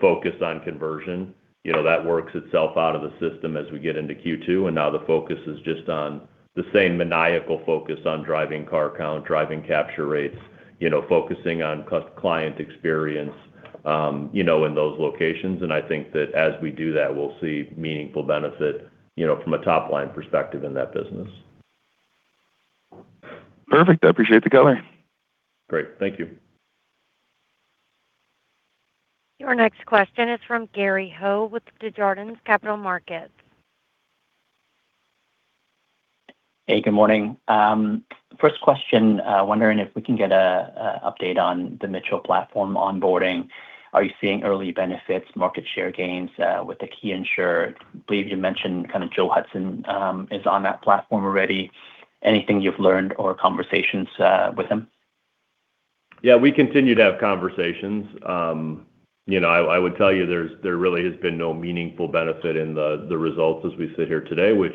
Speaker 2: focus on conversion. You know, that works itself out of the system as we get into Q2, now the focus is just on the same maniacal focus on driving car count, driving capture rates, you know, focusing on client experience, you know, in those locations. I think that as we do that, we'll see meaningful benefit, you know, from a top-line perspective in that business.
Speaker 10: Perfect, I appreciate the color.
Speaker 2: Great, thank you.
Speaker 1: Your next question is from Gary Ho with the Desjardins Capital Markets.
Speaker 11: Hey, good morning. First question, wondering if we can get a update on the Mitchell platform onboarding. Are you seeing early benefits, market share gains, with the key insurer? I believe you mentioned kind of Joe Hudson's, is on that platform already. Anything you've learned or conversations with him?
Speaker 2: Yeah, we continue to have conversations. you know, I would tell you there's, there really has been no meaningful benefit in the results as we sit here today, which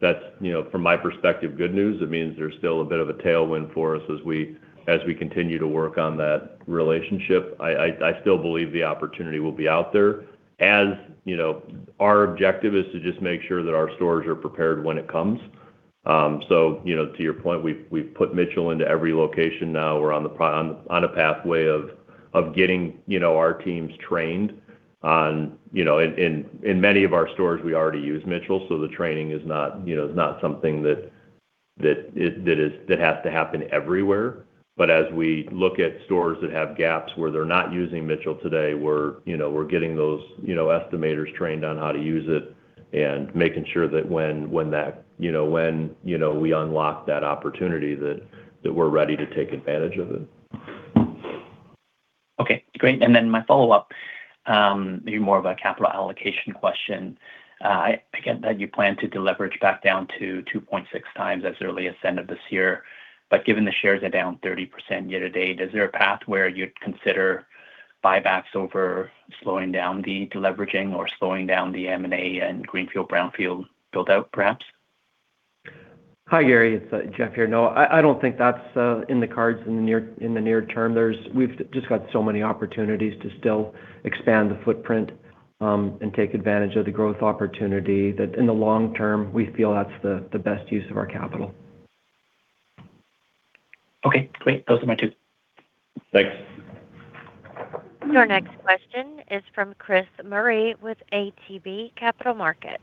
Speaker 2: that's, you know, from my perspective, good news. It means there's still a bit of a tailwind for us as we, as we continue to work on that relationship. I, I still believe the opportunity will be out there. As, you know, our objective is to just make sure that our stores are prepared when it comes. you know, to your point, we've put Mitchell into every location now. We're on a pathway of getting, you know, our teams trained on, you know. In many of our stores, we already use Mitchell, so the training is not, you know, something that has to happen everywhere. As we look at stores that have gaps where they're not using Mitchell today, we're, you know, getting those, you know, estimators trained on how to use it and making sure that when that, you know, when, you know, we unlock that opportunity, that we're ready to take advantage of it.
Speaker 11: Okay, great. My follow-up, maybe more of a capital allocation question. I get that you plan to deleverage back down to 2.6 times as early as end of this year. Given the shares are down 30% year-to-date, is there a path where you'd consider buybacks over slowing down the deleveraging or slowing down the M&A and greenfield, brownfield build-out, perhaps?
Speaker 3: Hi, Gary. It's Jeff here. No, I don't think that's in the cards in the near term. We've just got so many opportunities to still expand the footprint, and take advantage of the growth opportunity that in the long term, we feel that's the best use of our capital.
Speaker 11: Okay, great. Those are my two.
Speaker 2: Thanks.
Speaker 1: Our next question is from Chris Murray with ATB Capital Markets.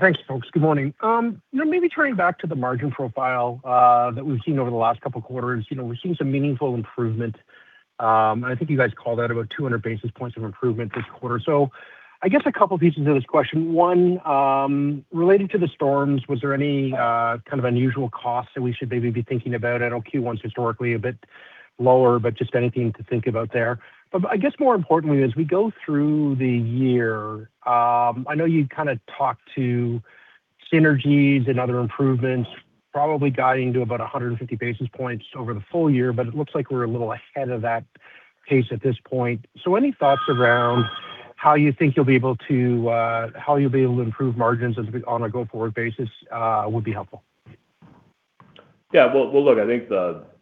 Speaker 12: Thanks, folks. Good morning. You know, maybe turning back to the margin profile that we've seen over the last couple of quarters. You know, we've seen some meaningful improvement. And I think you guys called out about 200 basis points of improvement this quarter. I guess a couple pieces of this question. One, relating to the storms, was there any kind of unusual costs that we should maybe be thinking about? I know Q1's historically a bit lower, but just anything to think about there. I guess more importantly, as we go through the year, I know you kind of talked to synergies and other improvements probably guiding to about 150 basis points over the full-year, but it looks like we're a little ahead of that pace at this point. Any thoughts around how you think you'll be able to, how you'll be able to improve margins on a go-forward basis, would be helpful.
Speaker 2: Look, I think,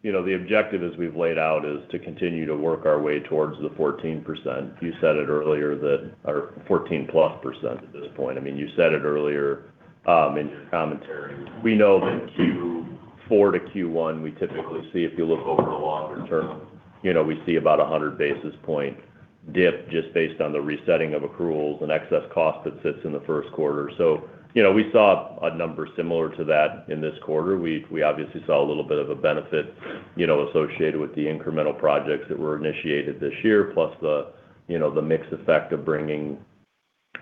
Speaker 2: you know, the objective as we've laid out is to continue to work our way towards the 14%. You said it earlier, or 14%+ at this point. I mean, you said it earlier in your commentary. We know that Q4 to Q1, we typically see, if you look over the longer term, you know, we see about a 100 basis point dip just based on the resetting of accruals and excess cost that sits in the first quarter. You know, we saw a number similar to that in this quarter. We obviously saw a little bit of a benefit, you know, associated with the incremental projects that were initiated this year, plus the, you know, the mix effect of bringing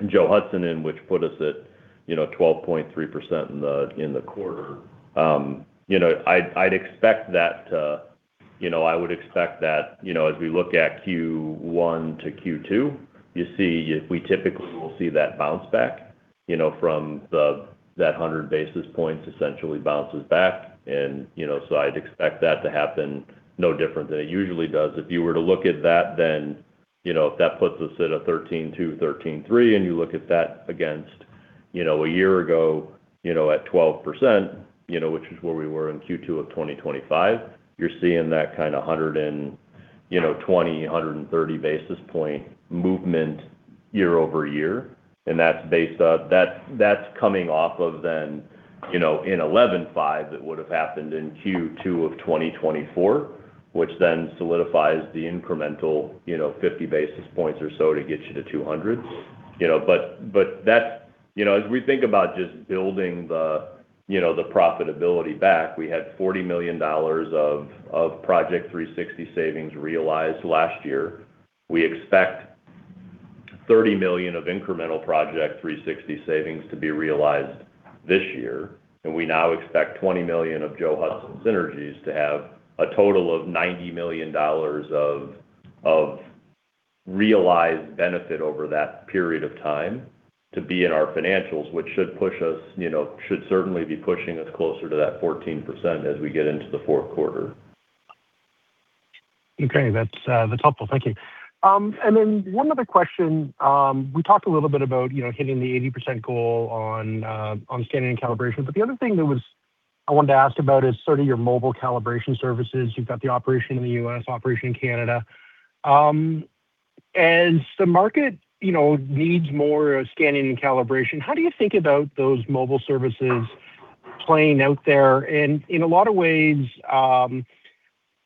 Speaker 2: Joe Hudson's in, which put us at, you know, 12.3% in the quarter. You know, I would expect that, you know, as we look at Q1 to Q2, we typically will see that bounce back, you know, that 100 basis points essentially bounces back and, you know, so I'd expect that to happen no different than it usually does. If you were to look at that, then, you know, if that puts us at a 13.2%, 13.3%, and you look at that against, you know, a year ago, you know, at 12%, you know, which is where we were in Q2 of 2025, you're seeing that kinda 120, 130 basis point movement year-over-year. That's based, that's coming off of then, you know, in 11.5% that would have happened in Q2 of 2024, which then solidifies the incremental, you know, 50 basis points or so to get you to 200. You know, that's, you know, as we think about just building the, you know, the profitability back, we had 40 million dollars of Project 360 savings realized last year. We expect 30 million of incremental Project 360 savings to be realized this year, and we now expect 20 million of Joe Hudson's synergies to have a total of 90 million dollars of realized benefit over that period of time to be in our financials, which should push us, you know, should certainly be pushing us closer to that 14% as we get into the fourth quarter.
Speaker 12: Okay. That's helpful, thank you. Then one other question. We talked a little bit about, you know, hitting the 80% goal on scanning and calibration. The other thing I wanted to ask about is sort of your mobile calibration services. You've got the operation in the U.S., operation in Canada. As the market, you know, needs more scanning and calibration, how do you think about those mobile services playing out there? In a lot of ways,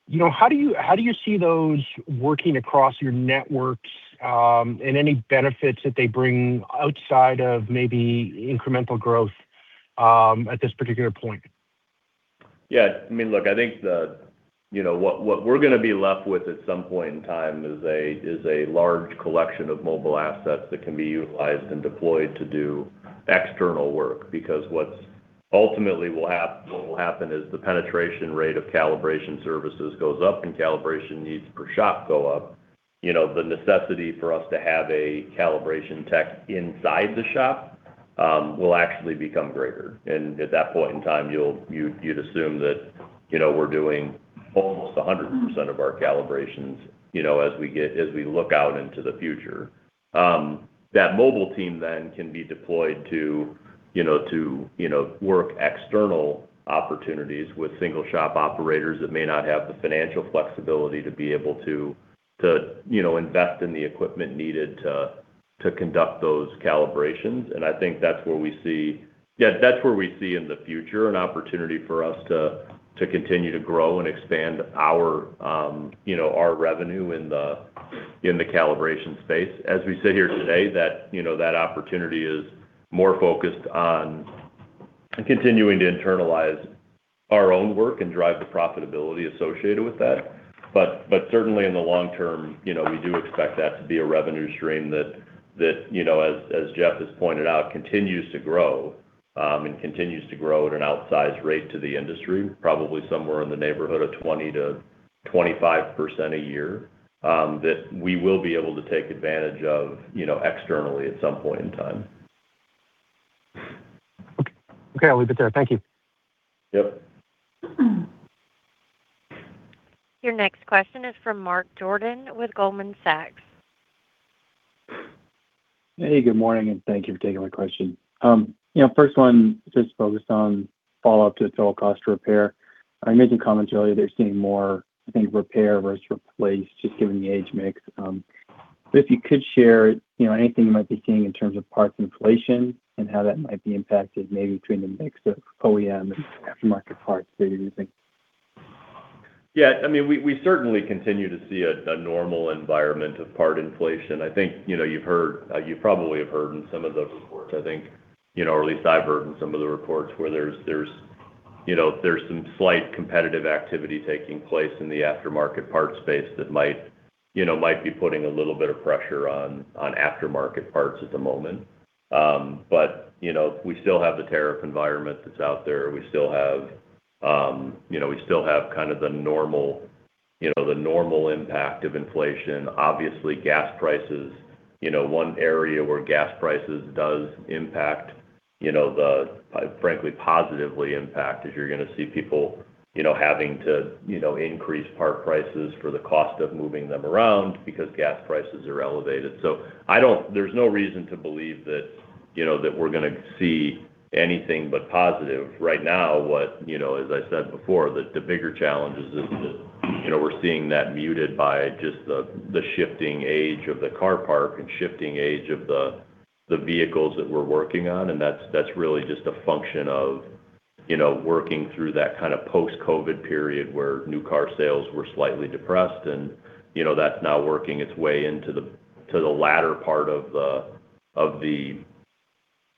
Speaker 12: you know, how do you see those working across your networks, and any benefits that they bring outside of maybe incremental growth at this particular point?
Speaker 2: Yeah, I mean, look, I think the, you know, what we're gonna be left with at some point in time is a large collection of mobile assets that can be utilized and deployed to do external work. Because ultimately what will happen is the penetration rate of calibration services goes up and calibration needs per shop go up. You know, the necessity for us to have a calibration tech inside the shop will actually become greater. At that point in time, you'd assume that, you know, we're doing almost 100% of our calibrations, you know, as we look out into the future. That mobile team then can be deployed to, you know, work external opportunities with single shop operators that may not have the financial flexibility to be able to, you know, invest in the equipment needed to conduct those calibrations. I think that's where we see in the future, an opportunity for us to continue to grow and expand our, you know, our revenue in the calibration space. As we sit here today, that, you know, that opportunity is more focused on continuing to internalize our own work and drive the profitability associated with that. Certainly in the long term, you know, we do expect that to be a revenue stream that, you know, as Jeff has pointed out, continues to grow. Continues to grow at an outsized rate to the industry, probably somewhere in the neighborhood of 20%-25% a year, that we will be able to take advantage of, you know, externally at some point in time.
Speaker 12: Okay, I'll leave it there. Thank you.
Speaker 2: Yep.
Speaker 1: Your next question is from Mark Jordan with Goldman Sachs.
Speaker 13: Hey, good morning, and thank you for taking my question. You know, first one just focused on follow-up to the total cost to repair. You made some comments earlier that you're seeing more, I think, repair versus replace, just given the age mix. If you could share, you know, anything you might be seeing in terms of parts inflation and how that might be impacted maybe between the mix of OEM and aftermarket parts there, do you think?
Speaker 2: Yeah, I mean, we certainly continue to see a normal environment of part inflation. I think, you know, you've heard, you probably have heard in some of the reports, I think, you know, or at least I've heard in some of the reports, where there's, you know, there's some slight competitive activity taking place in the aftermarket part space that might, you know, might be putting a little bit of pressure on aftermarket parts at the moment. We still have the tariff environment that's out there. We still have, you know, we still have kind of the normal, you know, the normal impact of inflation. Obviously, gas prices, you know, one area where gas prices does impact, you know, the frankly, positively impact, is you're gonna see people, you know, having to, you know, increase part prices for the cost of moving them around because gas prices are elevated. I don't there's no reason to believe that, you know, that we're gonna see anything but positive. Right now, you know, as I said before, the bigger challenge is just, you know, we're seeing that muted by just the shifting age of the car parc and shifting age of the vehicles that we're working on. That's really just a function of, you know, working through that kind of post-COVID period where new car sales were slightly depressed. That's now working its way into the latter part of the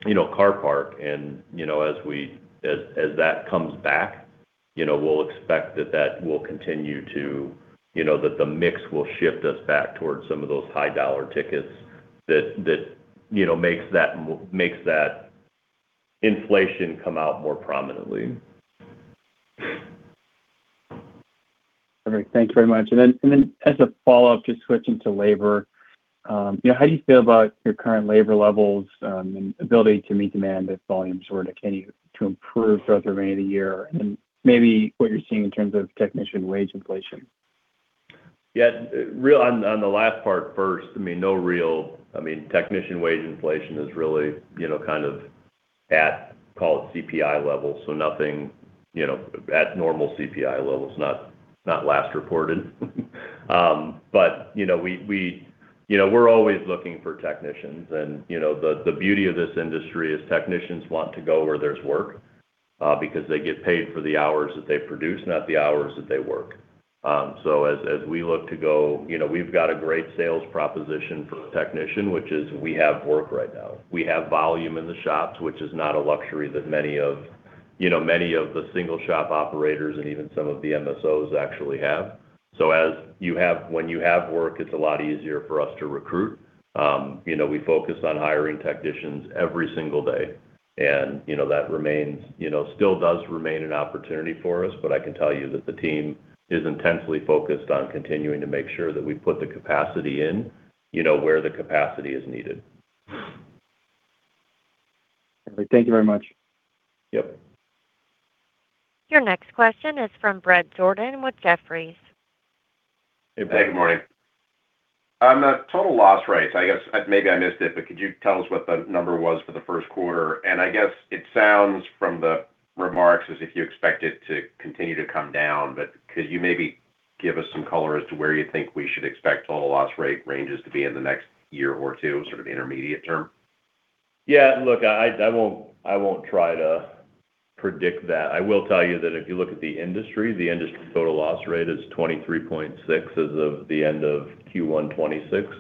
Speaker 2: car park. You know, as that comes back, you know, we'll expect that that will continue to you know, that the mix will shift us back towards some of those high-dollar tickets that, you know, makes that inflation come out more prominently.
Speaker 13: All right, thanks very much. Then as a follow-up, just switching to labor, you know, how do you feel about your current labor levels, and ability to meet demand as volumes sort of continue to improve throughout the remainder of the year? Maybe what you're seeing in terms of technician wage inflation?
Speaker 2: Yeah. On the last part first, I mean, no, I mean, technician wage inflation is really, you know, kind of at call it CPI levels. Nothing, you know, at normal CPI levels. Not last reported. You know, we're always looking for technicians and, you know, the beauty of this industry is technicians want to go where there's work because they get paid for the hours that they produce, not the hours that they work. As we look to go, you know, we've got a great sales proposition for the technician, which is we have work right now. We have volume in the shops, which is not a luxury that many of, you know, many of the single shop operators and even some of the MSOs actually have. When you have work, it's a lot easier for us to recruit. You know, we focus on hiring technicians every single day. You know, that remains, you know, still does remain an opportunity for us. I can tell you that the team is intensely focused on continuing to make sure that we put the capacity in, you know, where the capacity is needed.
Speaker 13: All right, thank you very much.
Speaker 2: Yep.
Speaker 1: Your next question is from Bret Jordan with Jefferies.
Speaker 2: Hey, Bret.
Speaker 14: Hey, good morning. On the total loss rates, I guess maybe I missed it, could you tell us what the number was for the first quarter? I guess it sounds from the remarks as if you expect it to continue to come down. Could you maybe give us some color as to where you think we should expect total loss rate ranges to be in the next year or two, sort of intermediate term?
Speaker 2: Yeah, look, I won't try to predict that. I will tell you that if you look at the industry, the industry total loss rate is 23.6% as of the end of Q1 2026.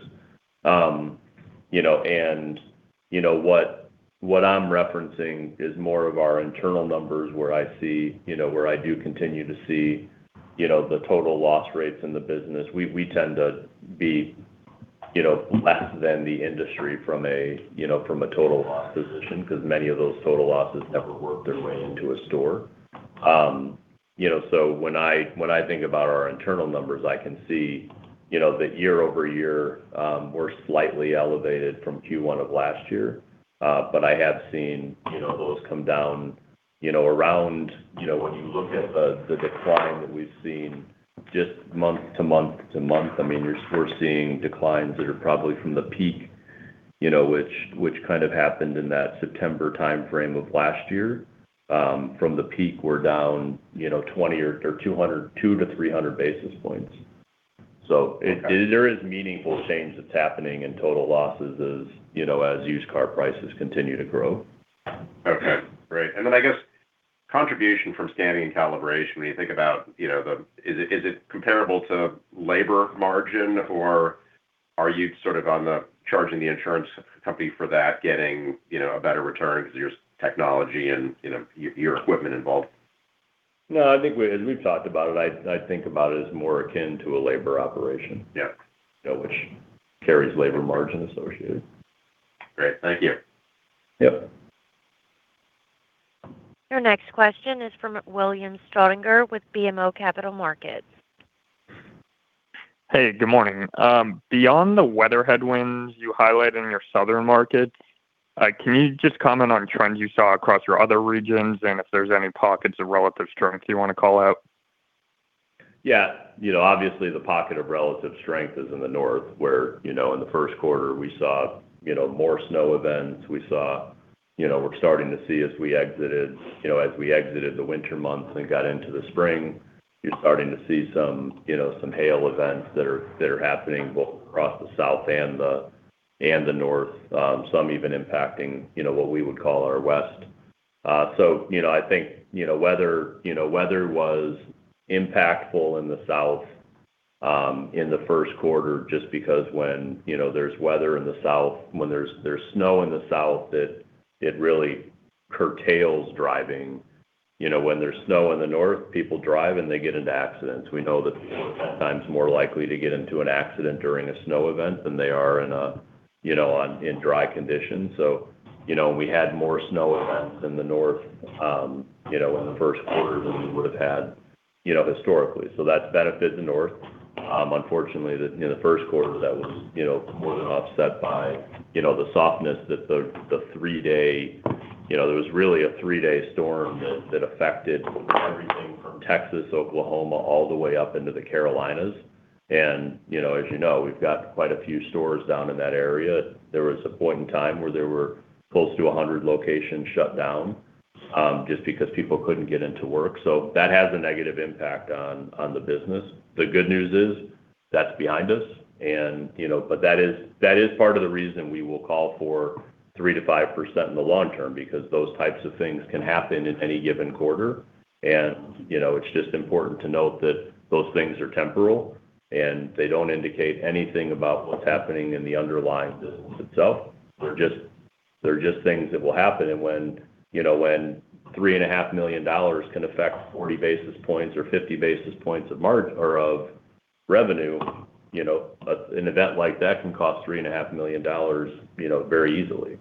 Speaker 2: What I'm referencing is more of our internal numbers, where I see, where I do continue to see the total loss rates in the business. We tend to be less than the industry from a total loss position, 'cause many of those total losses never work their way into a store. When I think about our internal numbers, I can see that year-over-year, we're slightly elevated from Q1 of last year. I have seen, you know, those come down, you know, around, you know, when you look at the decline that we've seen just month to month to month, I mean, we're seeing declines that are probably from the peak, you know, which kind of happened in that September timeframe of last year. From the peak, we're down, you know, 200-300 basis points. There is meaningful change that is happening in total losses as, you know, as used car prices continue to grow.
Speaker 14: Okay, great. I guess contribution from scanning and calibration, when you think about, you know, Is it comparable to labor margin, or are you sort of on the charging the insurance company for that, getting, you know, a better return because there's technology and, you know, your equipment involved?
Speaker 2: No, I think we, as we've talked about it, I think about it as more akin to a labor operation.
Speaker 14: Yeah.
Speaker 2: You know, which carries labor margin associated.
Speaker 14: Great, thank you.
Speaker 2: Yep.
Speaker 1: Your next question is from William Staudinger with BMO Capital Markets.
Speaker 15: Good morning. Beyond the weather headwinds you highlight in your southern markets, can you just comment on trends you saw across your other regions, and if there's any pockets of relative strength you wanna call out?
Speaker 2: Yeah, you know, obviously the pocket of relative strength is in the North, where, you know, in the first quarter, we saw, you know, more snow events. We saw, you know, we're starting to see as we exited, you know, as we exited the winter months and got into the spring, you're starting to see some, you know, some hail events that are happening both across the South and the North. Some even impacting, you know, what we would call our West. You know, I think, you know, weather, you know, weather was impactful in the South in the first quarter just because when, you know, there's weather in the South, when there's snow in the South, it really curtails driving. You know, when there's snow in the North, people drive and they get into accidents. We know that people are sometimes more likely to get into an accident during a snow event than they are in a, you know, in dry conditions. We had more snow events in the North, you know, in the first quarter than we would've had, historically. That's benefited the North. Unfortunately, in the first quarter, that was, you know, more than offset by, you know, the softness that the three-day, you know, there was really a three-day storm that affected everything from Texas, Oklahoma, all the way up into the Carolinas and, you know, as you know, we've got quite a few stores down in that area. There were close to 100 locations shut down just because people couldn't get into work. That has a negative impact on the business. The good news is that's behind us, you know. That is part of the reason we will call for 3%-5% in the long term because those types of things can happen in any given quarter. You know, it's just important to note that those things are temporal, and they don't indicate anything about what's happening in the underlying business itself. They're just things that will happen. When, you know, when 3.5 million dollars can affect 40 basis points or 50 basis points of revenue, you know, an event like that can cost 3.5 million dollars, you know, very easily.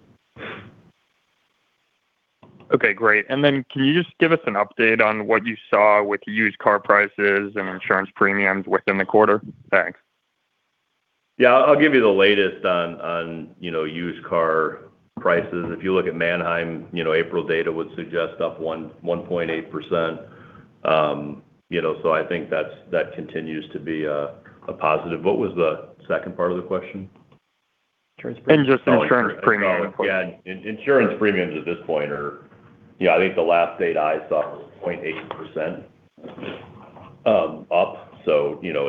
Speaker 15: Okay, great. Can you just give us an update on what you saw with used car prices and insurance premiums within the quarter? Thanks.
Speaker 2: Yeah. I'll give you the latest on, you know, used car prices. If you look at Manheim, you know, April data would suggest up 1.8%. You know, I think that continues to be a positive. What was the second part of the question?
Speaker 15: Insurance premium.
Speaker 2: Yeah. Insurance premiums at this point are, you know, I think the last data I saw was 0.8% up.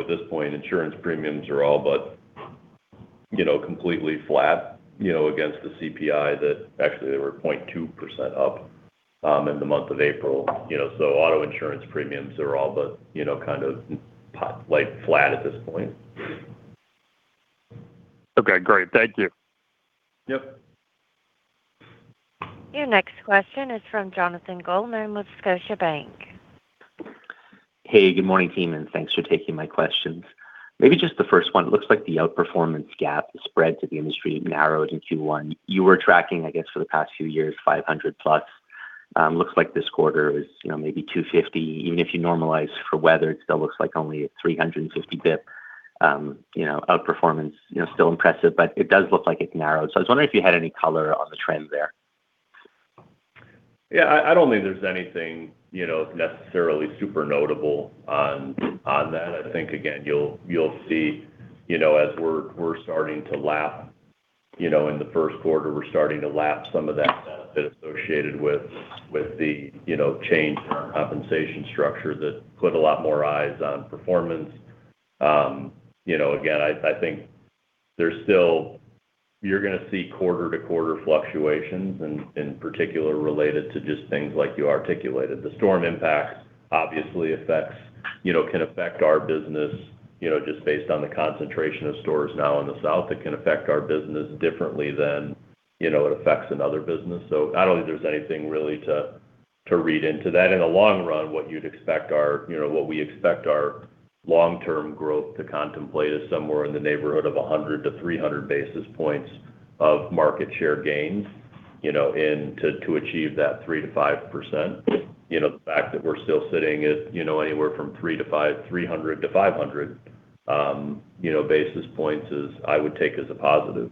Speaker 2: At this point, insurance premiums are all but, you know, completely flat, you know, against the CPI that actually they were 0.2% up in the month of April. Auto insurance premiums are all but, you know, kind of like flat at this point.
Speaker 15: Okay. Great, thank you.
Speaker 2: Yep.
Speaker 1: Your next question is from Jonathan Goldman with Scotiabank.
Speaker 16: Hey, good morning, team, and thanks for taking my questions. Maybe just the first one. Looks like the outperformance gap spread to the industry narrowed in Q1. You were tracking for the past few years, 500+. Looks like this quarter is, you know, maybe 250. Even if you normalize for weather, it still looks like only a 350 basis points, you know, outperformance. You know, still impressive, but it does look like it narrowed. I was wondering if you had any color on the trend there.
Speaker 2: Yeah, I don't think there's anything, you know, necessarily super notable on that. I think, again, you'll see, you know, as we're starting to lap, you know, in the first quarter, we're starting to lap some of that benefit associated with the, you know, change in our compensation structure that put a lot more eyes on performance. You know, again, I think you're gonna see quarter-to-quarter fluctuations in particular related to just things like you articulated. The storm impact obviously affects, you know, can affect our business, you know, just based on the concentration of stores now in the South. It can affect our business differently than, you know, it affects another business. I don't think there's anything really to read into that. In the long run, what we expect our long-term growth to contemplate is somewhere in the neighborhood of 100-300 basis points of market share gains, you know, and to achieve that 3%-5%. You know, the fact that we're still sitting at, you know, anywhere from 300-500 basis points is, I would take as a positive.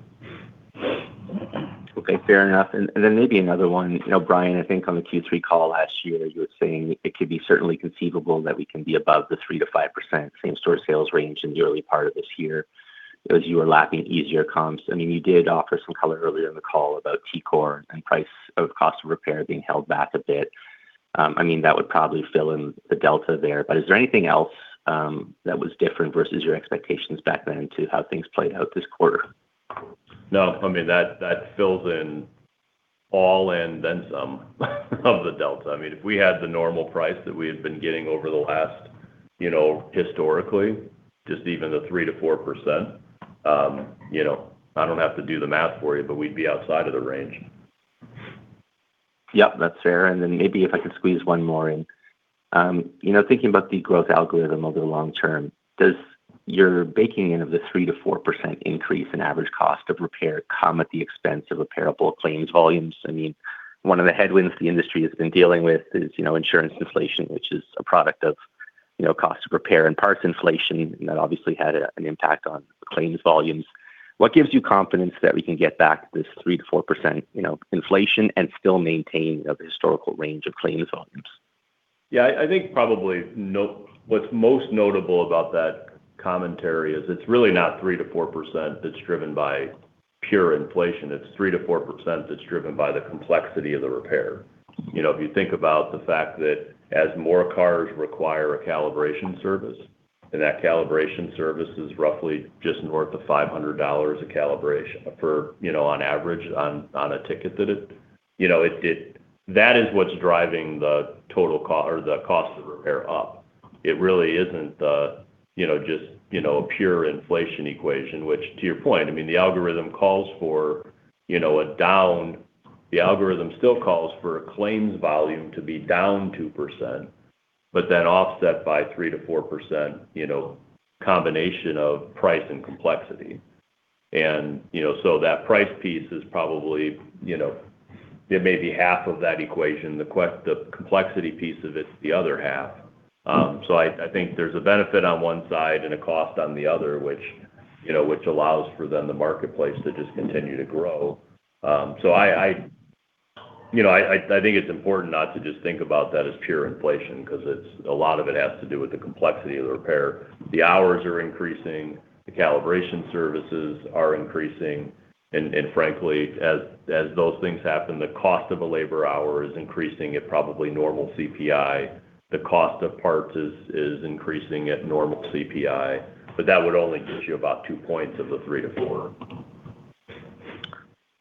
Speaker 16: Okay, fair enough. Then maybe another one. You know, Brian, I think on the Q3 call last year, you were saying it could be certainly conceivable that we can be above the 3%-5% same-store sales range in the early part of this year, as you were lapping easier comps. I mean, you did offer some color earlier in the call about TCOR and price of cost of repair being held back a bit. I mean, that would probably fill in the delta there. Is there anything else that was different versus your expectations back then to how things played out this quarter?
Speaker 2: No. I mean, that fills in all and then some of the delta. I mean, if we had the normal price that we had been getting over the last, you know, historically, just even the 3%-4%, you know, I don't have to do the math for you, but we'd be outside of the range.
Speaker 16: Yeah, that's fair. Maybe if I could squeeze one more in. You know, thinking about the growth algorithm over the long term, does your baking in of the 3%-4% increase in average cost of repair come at the expense of repairable claims volumes? I mean, one of the headwinds the industry has been dealing with is, you know, insurance inflation, which is a product of, you know, cost of repair and parts inflation, and that obviously had an impact on claims volumes. What gives you confidence that we can get back this 3%-4%, you know, inflation and still maintain the historical range of claims volumes?
Speaker 2: Yeah, I think probably what's most notable about that commentary is it's really not 3%-4% that's driven by pure inflation. It's 3%-4% that's driven by the complexity of the repair. You know, if you think about the fact that as more cars require a calibration service, and that calibration service is roughly just north of 500 dollars a calibration for, you know, on average on a ticket that it, you know, that is what's driving the cost of repair up. It really isn't the, you know, just, you know, a pure inflation equation, which to your point, I mean, the algorithm calls for, you know, The algorithm still calls for a claims volume to be down 2%, but then offset by 3%-4%, you know, combination of price and complexity. You know, so that price piece is probably, you know, it may be half of that equation. The complexity piece of it's the other half. I think there's a benefit on one side and a cost on the other, which, you know, which allows for then the marketplace to just continue to grow. You know, I think it's important not to just think about that as pure inflation 'cause it's a lot of it has to do with the complexity of the repair. The hours are increasing, the calibration services are increasing. Frankly, as those things happen, the cost of a labor hour is increasing at probably normal CPI. The cost of parts is increasing at normal CPI. That would only get you about 2 points of the 3%-4%.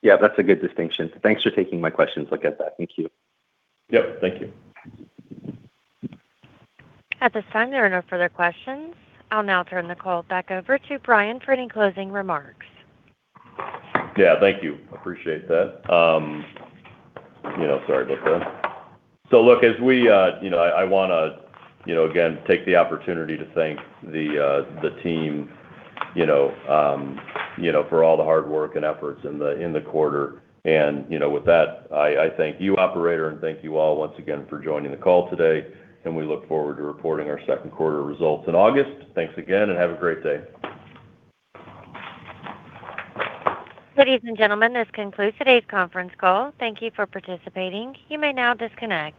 Speaker 16: Yeah, that's a good distinction. Thanks for taking my questions. Thank you.
Speaker 2: Yep. Thank you.
Speaker 1: At this time, there are no further questions. I'll now turn the call back over to Brian for any closing remarks.
Speaker 2: Yeah. Thank you, appreciate that. You know, sorry about that. Look, as we, you know, I wanna, you know, again, take the opportunity to thank the team, you know, for all the hard work and efforts in the quarter. You know, with that, I thank you operator, and thank you all once again for joining the call today, and we look forward to reporting our second quarter results in August. Thanks again, and have a great day.
Speaker 1: Ladies and gentlemen, this concludes today's conference call. Thank you for participating. You may now disconnect.